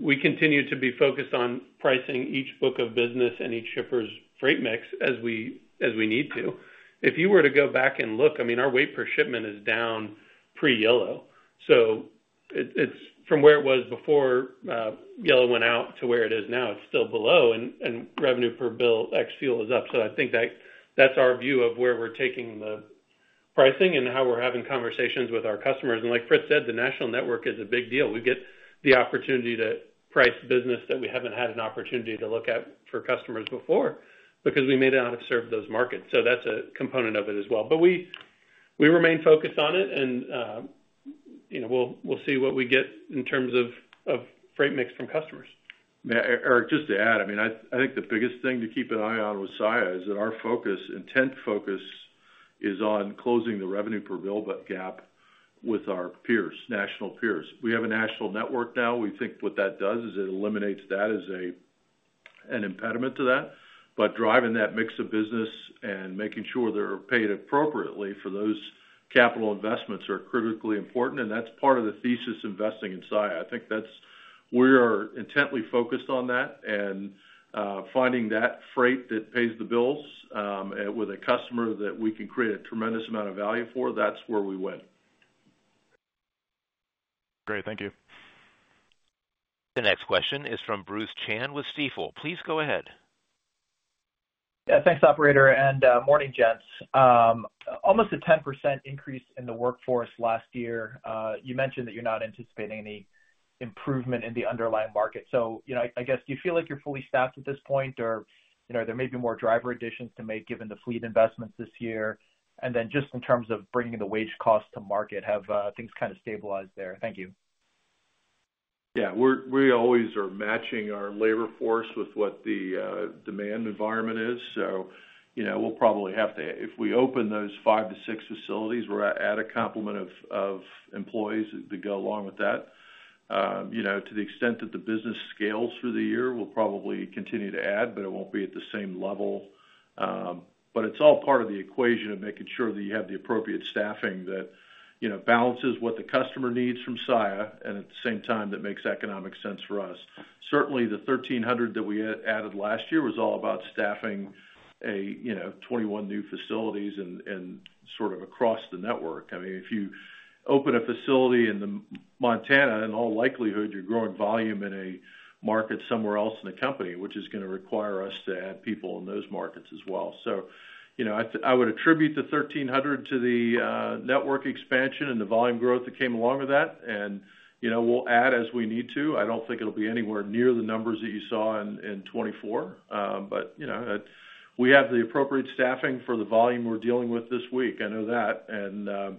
we continue to be focused on pricing each book of business and each shipper's freight mix as we need to. If you were to go back and look, I mean, our weight per shipment is down pre-Yellow. So from where it was before Yellow went out to where it is now, it's still below. And revenue per bill, ex fuel is up. So I think that's our view of where we're taking the pricing and how we're having conversations with our customers. And like Fritz said, the national network is a big deal. We get the opportunity to price business that we haven't had an opportunity to look at for customers before because we may not have served those markets. So that's a component of it as well. But we remain focused on it, and we'll see what we get in terms of freight mix from customers. Eric, just to add, I mean, I think the biggest thing to keep an eye on with Saia is that our focus, intent focus, is on closing the revenue per bill gap with our peers, national peers. We have a national network now. We think what that does is it eliminates that as an impediment to that, but driving that mix of business and making sure they're paid appropriately for those capital investments are critically important, and that's part of the thesis investing in Saia. I think we are intently focused on that, and finding that freight that pays the bills with a customer that we can create a tremendous amount of value for, that's where we went. Great. Thank you. The next question is from Bruce Chan with Stifel. Please go ahead. Yeah. Thanks, operator. And morning, gents. Almost a 10% increase in the workforce last year. You mentioned that you're not anticipating any improvement in the underlying market. So I guess, do you feel like you're fully staffed at this point, or are there maybe more driver additions to make given the fleet investments this year? And then just in terms of bringing the wage cost to market, have things kind of stabilized there? Thank you. Yeah. We always are matching our labor force with what the demand environment is. So we'll probably have to, if we open those five to six facilities, we're at a complement of employees to go along with that. To the extent that the business scales through the year, we'll probably continue to add, but it won't be at the same level. But it's all part of the equation of making sure that you have the appropriate staffing that balances what the customer needs from Saia and at the same time that makes economic sense for us. Certainly, the 1,300 that we added last year was all about staffing 21 new facilities and sort of across the network. I mean, if you open a facility in Montana, in all likelihood, you're growing volume in a market somewhere else in the company, which is going to require us to add people in those markets as well. So I would attribute the 1,300 to the network expansion and the volume growth that came along with that. And we'll add as we need to. I don't think it'll be anywhere near the numbers that you saw in 2024. But we have the appropriate staffing for the volume we're dealing with this week. I know that. And to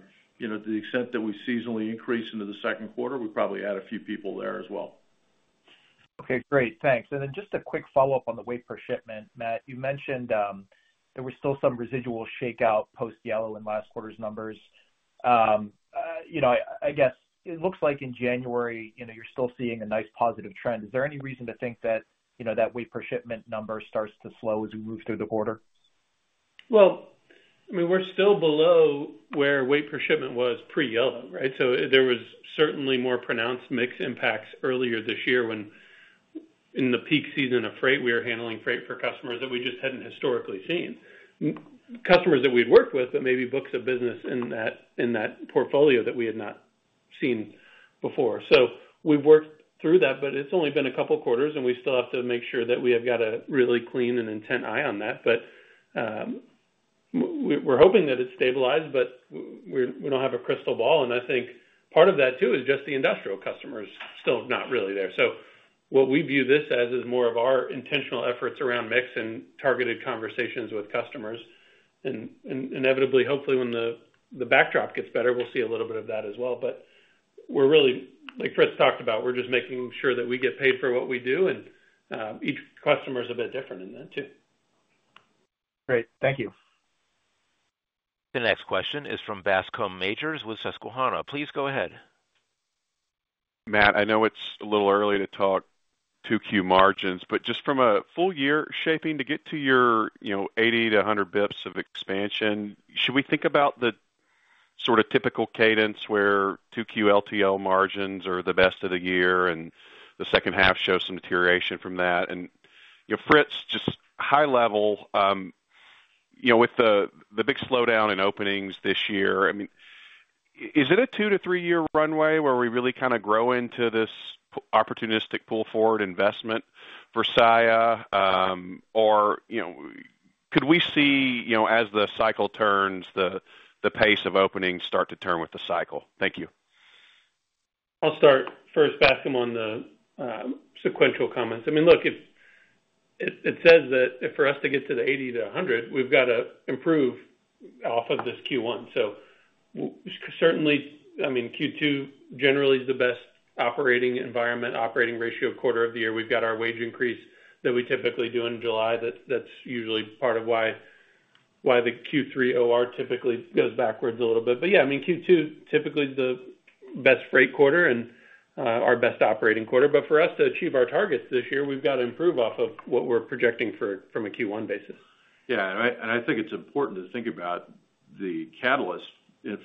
the extent that we seasonally increase into the second quarter, we probably add a few people there as well. Okay. Great. Thanks. And then just a quick follow-up on the weight per shipment, Matt. You mentioned there were still some residual shakeout post-Yellow in last quarter's numbers. I guess it looks like in January, you're still seeing a nice positive trend. Is there any reason to think that weight per shipment number starts to slow as we move through the quarter? I mean, we're still below where weight per shipment was pre-Yellow, right? So there was certainly more pronounced mix impacts earlier this year when in the peak season of freight, we were handling freight for customers that we just hadn't historically seen. Customers that we'd worked with, but maybe books of business in that portfolio that we had not seen before. So we've worked through that, but it's only been a couple of quarters, and we still have to make sure that we have got a really clean and intense eye on that. But we're hoping that it's stabilized, but we don't have a crystal ball. And I think part of that too is just the industrial customers still not really there. So what we view this as is more of our intentional efforts around mix and targeted conversations with customers. And inevitably, hopefully, when the backdrop gets better, we'll see a little bit of that as well. But we're really, like Fritz talked about, we're just making sure that we get paid for what we do. And each customer is a bit different in that too. Great. Thank you. The next question is from Bascome Majors with Susquehanna. Please go ahead. Matt, I know it's a little early to talk 2Q margins, but just from a full-year shaping to get to your 80-100 basis points of expansion, should we think about the sort of typical cadence where 2Q LTL margins are the best of the year and the second half shows some deterioration from that? And Fritz, just high-level, with the big slowdown in openings this year, I mean, is it a two- to three-year runway where we really kind of grow into this opportunistic pull-forward investment for Saia? Or could we see, as the cycle turns, the pace of openings start to turn with the cycle? Thank you. I'll start first, Bascome, on the sequential comments. I mean, look, it says that for us to get to the 80 to 100, we've got to improve off of this Q1. So certainly, I mean, Q2 generally is the best operating environment, operating ratio quarter of the year. We've got our wage increase that we typically do in July. That's usually part of why the Q3 OR typically goes backwards a little bit. But yeah, I mean, Q2 typically is the best freight quarter and our best operating quarter. But for us to achieve our targets this year, we've got to improve off of what we're projecting from a Q1 basis. Yeah. And I think it's important to think about the catalyst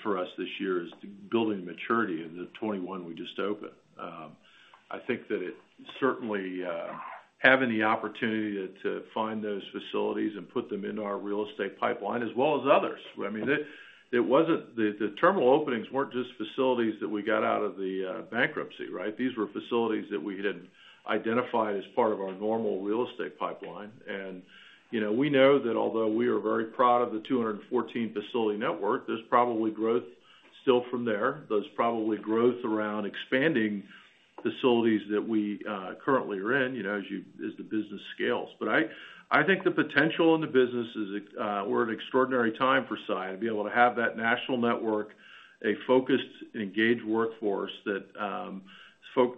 for us this year is building maturity in the 2021 we just opened. I think that it certainly having the opportunity to find those facilities and put them in our real estate pipeline as well as others. I mean, the terminal openings weren't just facilities that we got out of the bankruptcy, right? These were facilities that we had identified as part of our normal real estate pipeline. And we know that although we are very proud of the 214 facility network, there's probably growth still from there. There's probably growth around expanding facilities that we currently are in as the business scales. But I think the potential in the business is we're at an extraordinary time for Saia to be able to have that national network, a focused, engaged workforce that's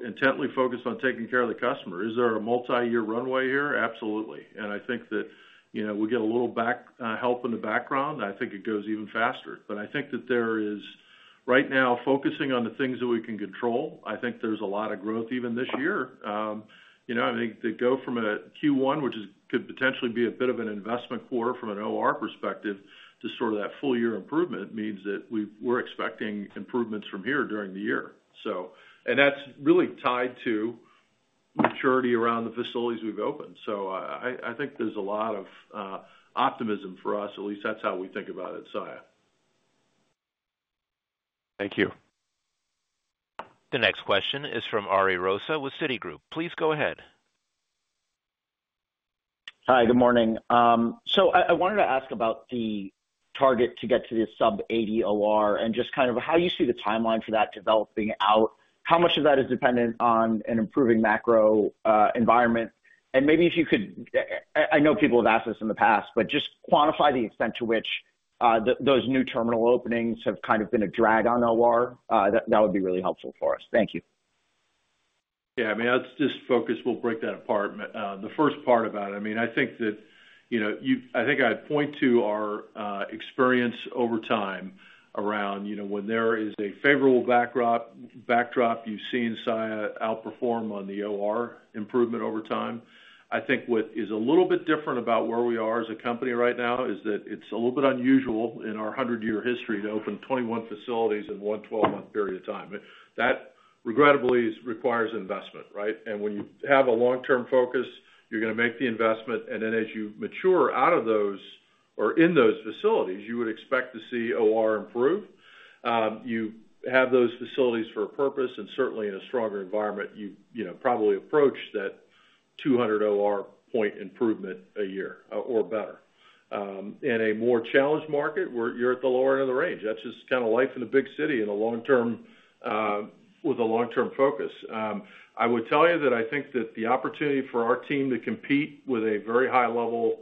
intently focused on taking care of the customer. Is there a multi-year runway here? Absolutely. And I think that we get a little back help in the background. I think it goes even faster. But I think that there is, right now, focusing on the things that we can control. I think there's a lot of growth even this year. I mean, to go from a Q1, which could potentially be a bit of an investment quarter from an OR perspective, to sort of that full-year improvement means that we're expecting improvements from here during the year. And that's really tied to maturity around the facilities we've opened. So I think there's a lot of optimism for us. At least that's how we think about it, Saia. Thank you. The next question is from Ariel Rosa with Citigroup. Please go ahead. Hi, good morning. So I wanted to ask about the target to get to the sub-80 OR and just kind of how you see the timeline for that developing out, how much of that is dependent on an improving macro environment? And maybe if you could, I know people have asked this in the past, but just quantify the extent to which those new terminal openings have kind of been a drag on OR? That would be really helpful for us. Thank you. Yeah. I mean, let's just focus. We'll break that apart. The first part about it, I mean, I think that I think I'd point to our experience over time around when there is a favorable backdrop. You've seen Saia outperform on the OR improvement over time. I think what is a little bit different about where we are as a company right now is that it's a little bit unusual in our 100-year history to open 21 facilities in one 12-month period of time. That regrettably requires investment, right? And when you have a long-term focus, you're going to make the investment. And then as you mature out of those or in those facilities, you would expect to see OR improve. You have those facilities for a purpose, and certainly in a stronger environment, you probably approach that 200 OR point improvement a year or better. In a more challenged market, you're at the lower end of the range. That's just kind of life in a big city with a long-term focus. I would tell you that I think that the opportunity for our team to compete with a very high-level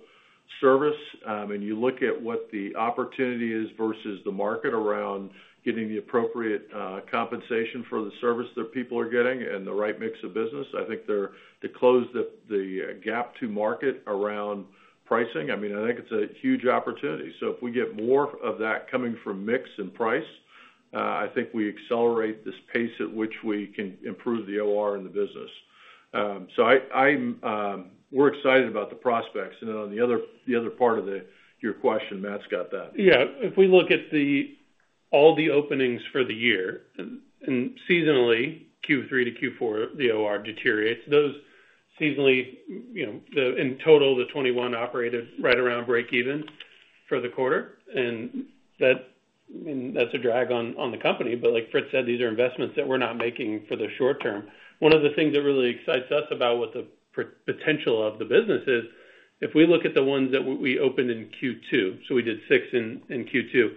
service, and you look at what the opportunity is versus the market around getting the appropriate compensation for the service that people are getting and the right mix of business, I think to close the gap to market around pricing, I mean, I think it's a huge opportunity. So if we get more of that coming from mix and price, I think we accelerate this pace at which we can improve the OR and the business. So we're excited about the prospects. And then on the other part of your question, Matt's got that. Yeah. If we look at all the openings for the year, and seasonally, Q3 to Q4, the OR deteriorates. Those seasonally, in total, the 21 operated right around break-even for the quarter. And I mean, that's a drag on the company. But like Fritz said, these are investments that we're not making for the short term. One of the things that really excites us about what the potential of the business is, if we look at the ones that we opened in Q2, so we did six in Q2,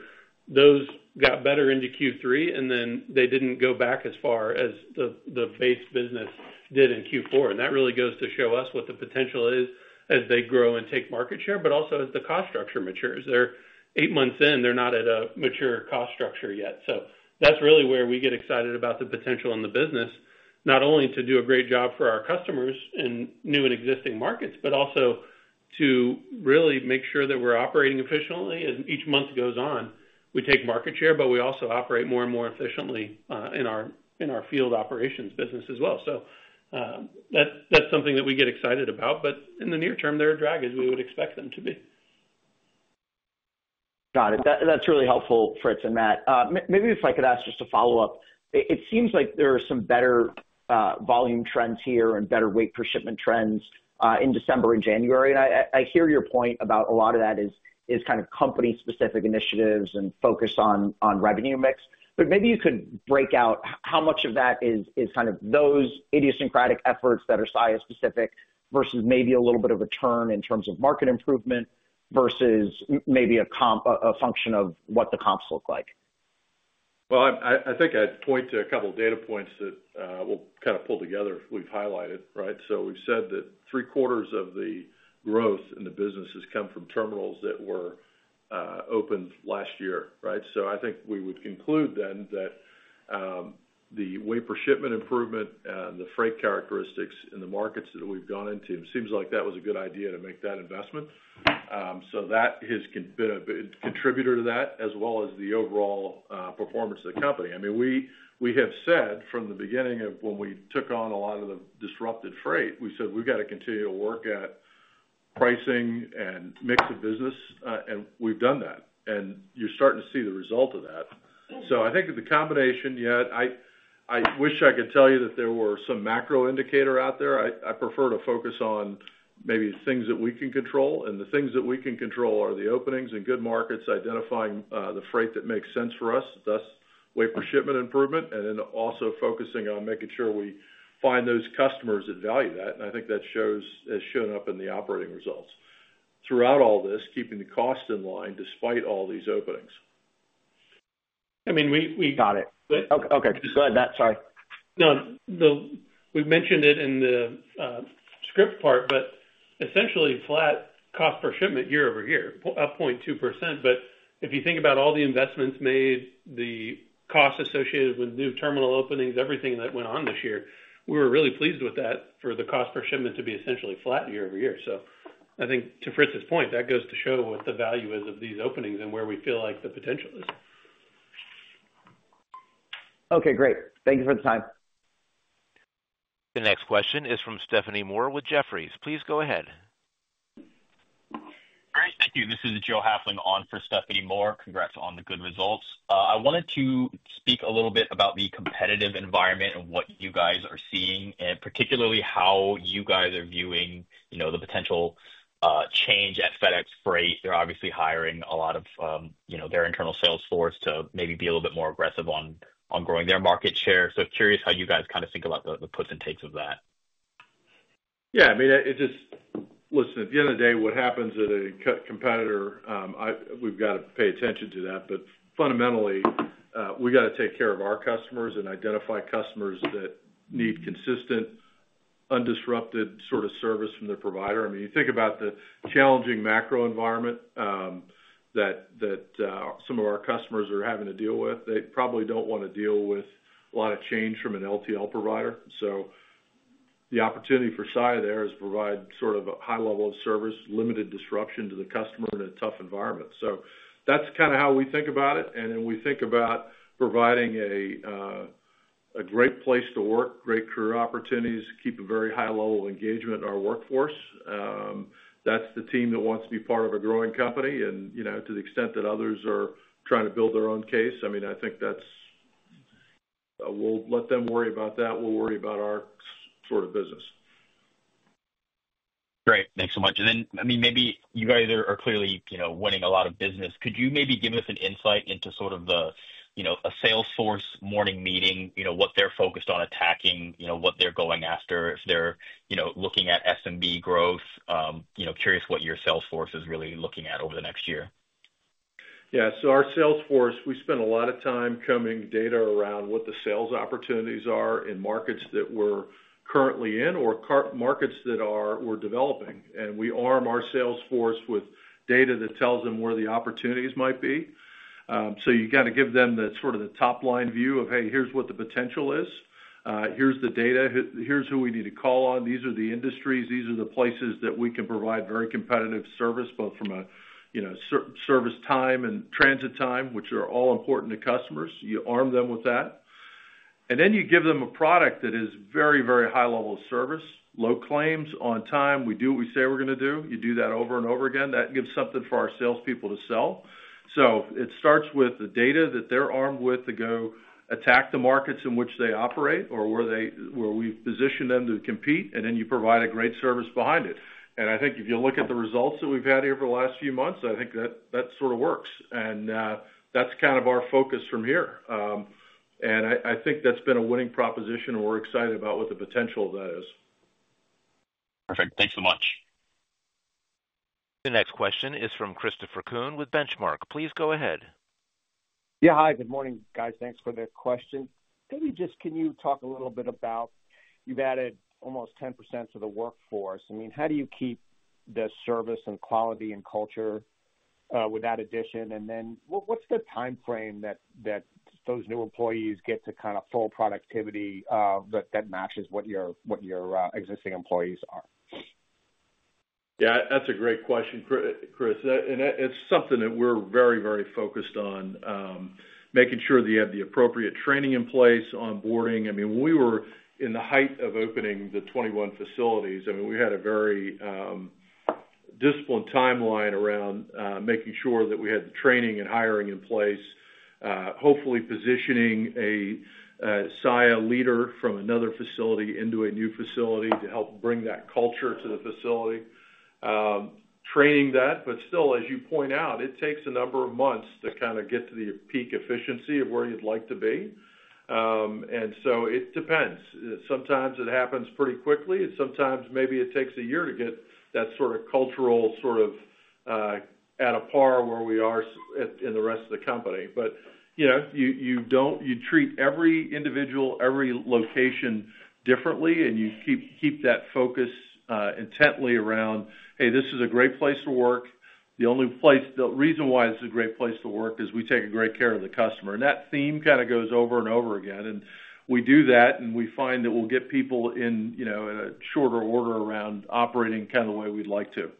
those got better into Q3, and then they didn't go back as far as the base business did in Q4. And that really goes to show us what the potential is as they grow and take market share, but also as the cost structure matures. They're eight months in. They're not at a mature cost structure yet. So that's really where we get excited about the potential in the business, not only to do a great job for our customers in new and existing markets, but also to really make sure that we're operating efficiently. As each month goes on, we take market share, but we also operate more and more efficiently in our field operations business as well. So that's something that we get excited about. But in the near term, they're a drag as we would expect them to be. Got it. That's really helpful, Fritz and Matt. Maybe if I could ask just a follow-up, it seems like there are some better volume trends here and better weight per shipment trends in December and January. And I hear your point about a lot of that is kind of company-specific initiatives and focus on revenue mix. But maybe you could break out how much of that is kind of those idiosyncratic efforts that are Saia-specific versus maybe a little bit of a turn in terms of market improvement versus maybe a function of what the comps look like. I think I'd point to a couple of data points that we'll kind of pull together if we've highlighted, right? We've said that three-quarters of the growth in the business has come from terminals that were opened last year, right? I think we would conclude then that the weight per shipment improvement and the freight characteristics in the markets that we've gone into. It seems like that was a good idea to make that investment. That has been a big contributor to that as well as the overall performance of the company. I mean, we have said from the beginning of when we took on a lot of the disrupted freight. We said, "We've got to continue to work at pricing and mix of business." We've done that. You're starting to see the result of that. So I think the combination, yeah. I wish I could tell you that there were some macro indicator out there. I prefer to focus on maybe things that we can control. And the things that we can control are the openings and good markets, identifying the freight that makes sense for us, thus weight per shipment improvement, and then also focusing on making sure we find those customers that value that. And I think that has shown up in the operating results. Throughout all this, keeping the cost in line despite all these openings. I mean, we got it. Okay. Go ahead, Matt. Sorry. No. We've mentioned it in the script part, but essentially flat cost per shipment year-over-year, 0.2%. But if you think about all the investments made, the cost associated with new terminal openings, everything that went on this year, we were really pleased with that for the cost per shipment to be essentially flat year-over-year. So I think to Fritz's point, that goes to show what the value is of these openings and where we feel like the potential is. Okay. Great. Thank you for the time. The next question is from Stephanie Moore with Jefferies. Please go ahead. Great. Thank you. This is Joe Hafling on for Stephanie Moore. Congrats on the good results. I wanted to speak a little bit about the competitive environment and what you guys are seeing, and particularly how you guys are viewing the potential change at FedEx Freight. They're obviously hiring a lot of their internal sales force to maybe be a little bit more aggressive on growing their market share. So curious how you guys kind of think about the puts and takes of that. Yeah. I mean, listen, at the end of the day, what happens at a competitor, we've got to pay attention to that. But fundamentally, we've got to take care of our customers and identify customers that need consistent, undisrupted sort of service from their provider. I mean, you think about the challenging macro environment that some of our customers are having to deal with. They probably don't want to deal with a lot of change from an LTL provider. So the opportunity for Saia there is to provide sort of a high level of service, limited disruption to the customer in a tough environment. So that's kind of how we think about it. And then we think about providing a great place to work, great career opportunities, keep a very high level of engagement in our workforce. That's the team that wants to be part of a growing company. And to the extent that others are trying to build their own case, I mean, I think we'll let them worry about that. We'll worry about our sort of business. Great. Thanks so much. And then, I mean, maybe you guys are clearly winning a lot of business. Could you maybe give us an insight into sort of a sales force morning meeting, what they're focused on attacking, what they're going after, if they're looking at SMB growth? Curious what your sales force is really looking at over the next year. Yeah. So our sales force, we spend a lot of time combing data around what the sales opportunities are in markets that we're currently in or markets that we're developing. And we arm our sales force with data that tells them where the opportunities might be. So you got to give them sort of the top-line view of, "Hey, here's what the potential is. Here's the data. Here's who we need to call on. These are the industries. These are the places that we can provide very competitive service, both from a service time and transit time, which are all important to customers." You arm them with that. And then you give them a product that is very, very high-level service, low claims, on time. We do what we say we're going to do. You do that over and over again. That gives something for our salespeople to sell. So it starts with the data that they're armed with to go attack the markets in which they operate or where we've positioned them to compete, and then you provide a great service behind it. And I think if you look at the results that we've had here for the last few months, I think that sort of works. And that's kind of our focus from here. And I think that's been a winning proposition, and we're excited about what the potential of that is. Perfect. Thanks so much. The next question is from Christopher Kuhn with Benchmark. Please go ahead. Yeah. Hi. Good morning, guys. Thanks for the question. Maybe just can you talk a little bit about you've added almost 10% to the workforce. I mean, how do you keep the service and quality and culture with that addition? And then what's the timeframe that those new employees get to kind of full productivity that matches what your existing employees are? Yeah. That's a great question, Chris. And it's something that we're very, very focused on, making sure that you have the appropriate training in place, onboarding. I mean, when we were in the height of opening the 21 facilities, I mean, we had a very disciplined timeline around making sure that we had the training and hiring in place, hopefully positioning a Saia leader from another facility into a new facility to help bring that culture to the facility, training that. But still, as you point out, it takes a number of months to kind of get to the peak efficiency of where you'd like to be. And so it depends. Sometimes it happens pretty quickly. Sometimes maybe it takes a year to get that sort of cultural sort of at a par where we are in the rest of the company. But you treat every individual, every location differently, and you keep that focus intently around, "Hey, this is a great place to work. The reason why this is a great place to work is we take great care of the customer." And that theme kind of goes over and over again. And we do that, and we find that we'll get people in a shorter order around operating kind of the way we'd like to.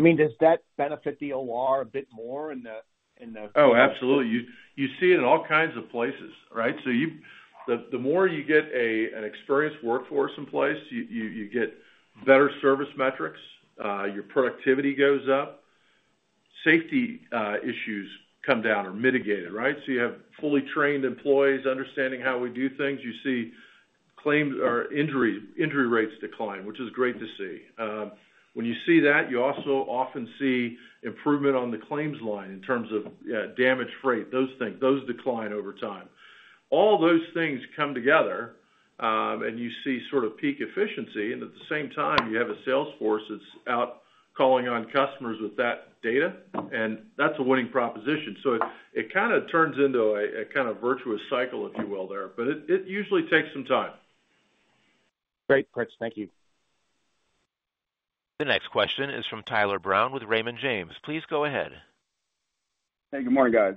I mean, does that benefit the OR a bit more in the? Oh, absolutely. You see it in all kinds of places, right? So the more you get an experienced workforce in place, you get better service metrics. Your productivity goes up. Safety issues come down or mitigated, right? So you have fully trained employees understanding how we do things. You see claims or injury rates decline, which is great to see. When you see that, you also often see improvement on the claims line in terms of damaged freight. Those decline over time. All those things come together, and you see sort of peak efficiency. And at the same time, you have a sales force that's out calling on customers with that data. And that's a winning proposition. So it kind of turns into a kind of virtuous cycle, if you will, there. But it usually takes some time. Great, Fritz. Thank you. The next question is from Tyler Brown with Raymond James. Please go ahead. Hey, good morning, guys.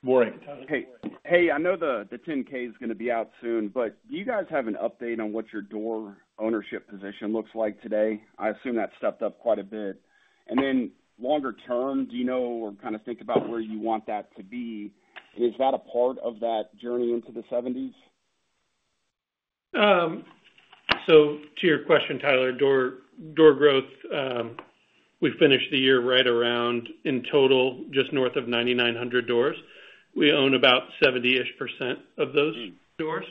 Good morning. Hey. Hey, I know the 10K is going to be out soon, but do you guys have an update on what your door ownership position looks like today? I assume that's stepped up quite a bit. And then longer term, do you know or kind of think about where you want that to be? And is that a part of that journey into the 70s? So, to your question, Tyler, door growth, we finished the year right around in total just north of 9,900 doors. We own about 70-ish% of those doors.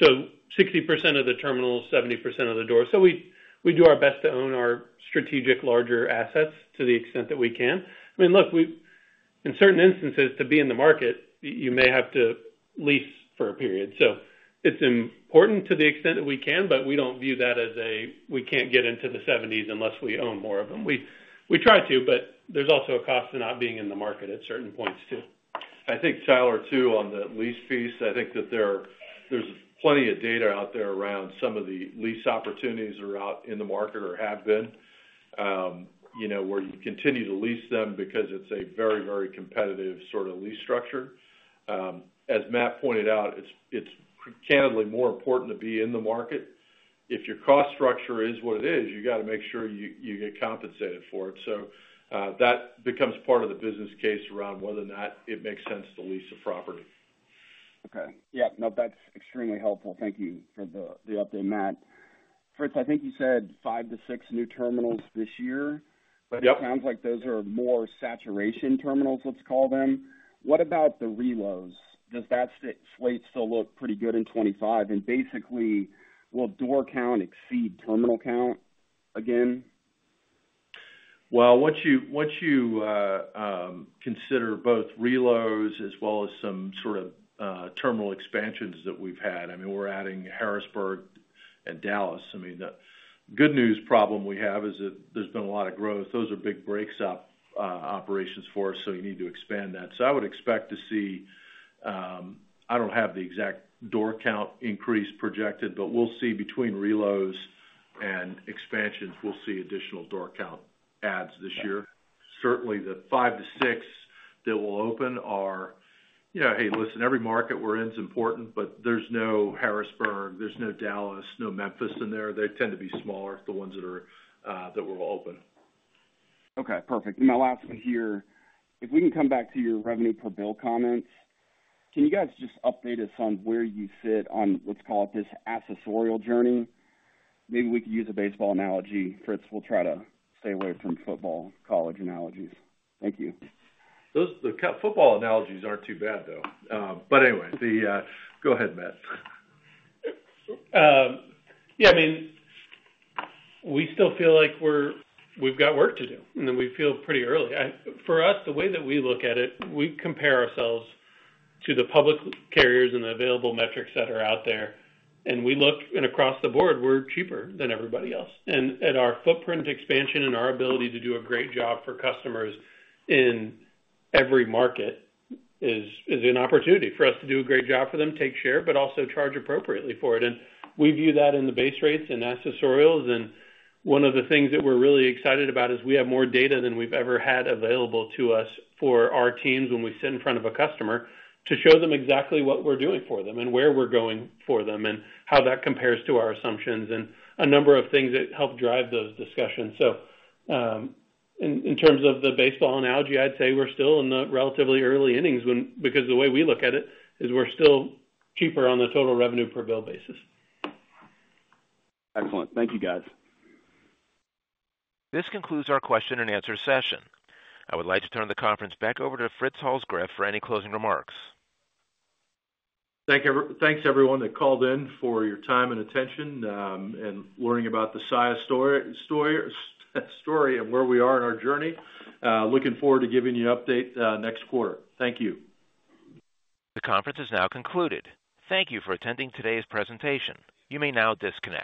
So 60% of the terminals, 70% of the doors. So we do our best to own our strategic larger assets to the extent that we can. I mean, look, in certain instances, to be in the market, you may have to lease for a period. So it's important to the extent that we can, but we don't view that as a, "We can't get into the 70s unless we own more of them." We try to, but there's also a cost to not being in the market at certain points too. I think Tyler too on the lease piece. I think that there's plenty of data out there around some of the lease opportunities that are out in the market or have been where you continue to lease them because it's a very, very competitive sort of lease structure. As Matt pointed out, it's candidly more important to be in the market. If your cost structure is what it is, you got to make sure you get compensated for it. So that becomes part of the business case around whether or not it makes sense to lease a property. Okay. Yeah. No, that's extremely helpful. Thank you for the update, Matt. Fritz, I think you said five to six new terminals this year, but it sounds like those are more saturation terminals, let's call them. What about the reloads? Does that slate still look pretty good in 2025? And basically, will door count exceed terminal count again? Once you consider both reloads as well as some sort of terminal expansions that we've had, I mean, we're adding Harrisburg and Dallas. I mean, the good news problem we have is that there's been a lot of growth. Those are big breakbulk operations for us, so you need to expand that. I would expect to see. I don't have the exact door count increase projected, but we'll see between reloads and expansions, we'll see additional door count adds this year. Certainly, the five to six that will open are, "Hey, listen, every market we're in is important, but there's no Harrisburg, there's no Dallas, no Memphis in there." They tend to be smaller, the ones that were open. Okay. Perfect. And my last one here, if we can come back to your revenue per bill comments, can you guys just update us on where you sit on, let's call it this accessorial journey? Maybe we can use a baseball analogy. Fritz, we'll try to stay away from football college analogies. Thank you. The football analogies aren't too bad, though. But anyway, go ahead, Matt. Yeah. I mean, we still feel like we've got work to do, and then we feel pretty early. For us, the way that we look at it, we compare ourselves to the public carriers and the available metrics that are out there. And we look, and across the board, we're cheaper than everybody else. And our footprint expansion and our ability to do a great job for customers in every market is an opportunity for us to do a great job for them, take share, but also charge appropriately for it. And we view that in the base rates and accessorials. And one of the things that we're really excited about is we have more data than we've ever had available to us for our teams when we sit in front of a customer to show them exactly what we're doing for them and where we're going for them and how that compares to our assumptions and a number of things that help drive those discussions. So in terms of the baseball analogy, I'd say we're still in the relatively early innings because the way we look at it is we're still cheaper on the total revenue per bill basis. Excellent. Thank you, guys. This concludes our question and answer session. I would like to turn the conference back over to Fritz Holzgrefe for any closing remarks. Thanks, everyone that called in for your time and attention and learning about the Saia story and where we are in our journey. Looking forward to giving you an update next quarter. Thank you. The conference is now concluded. Thank you for attending today's presentation. You may now disconnect.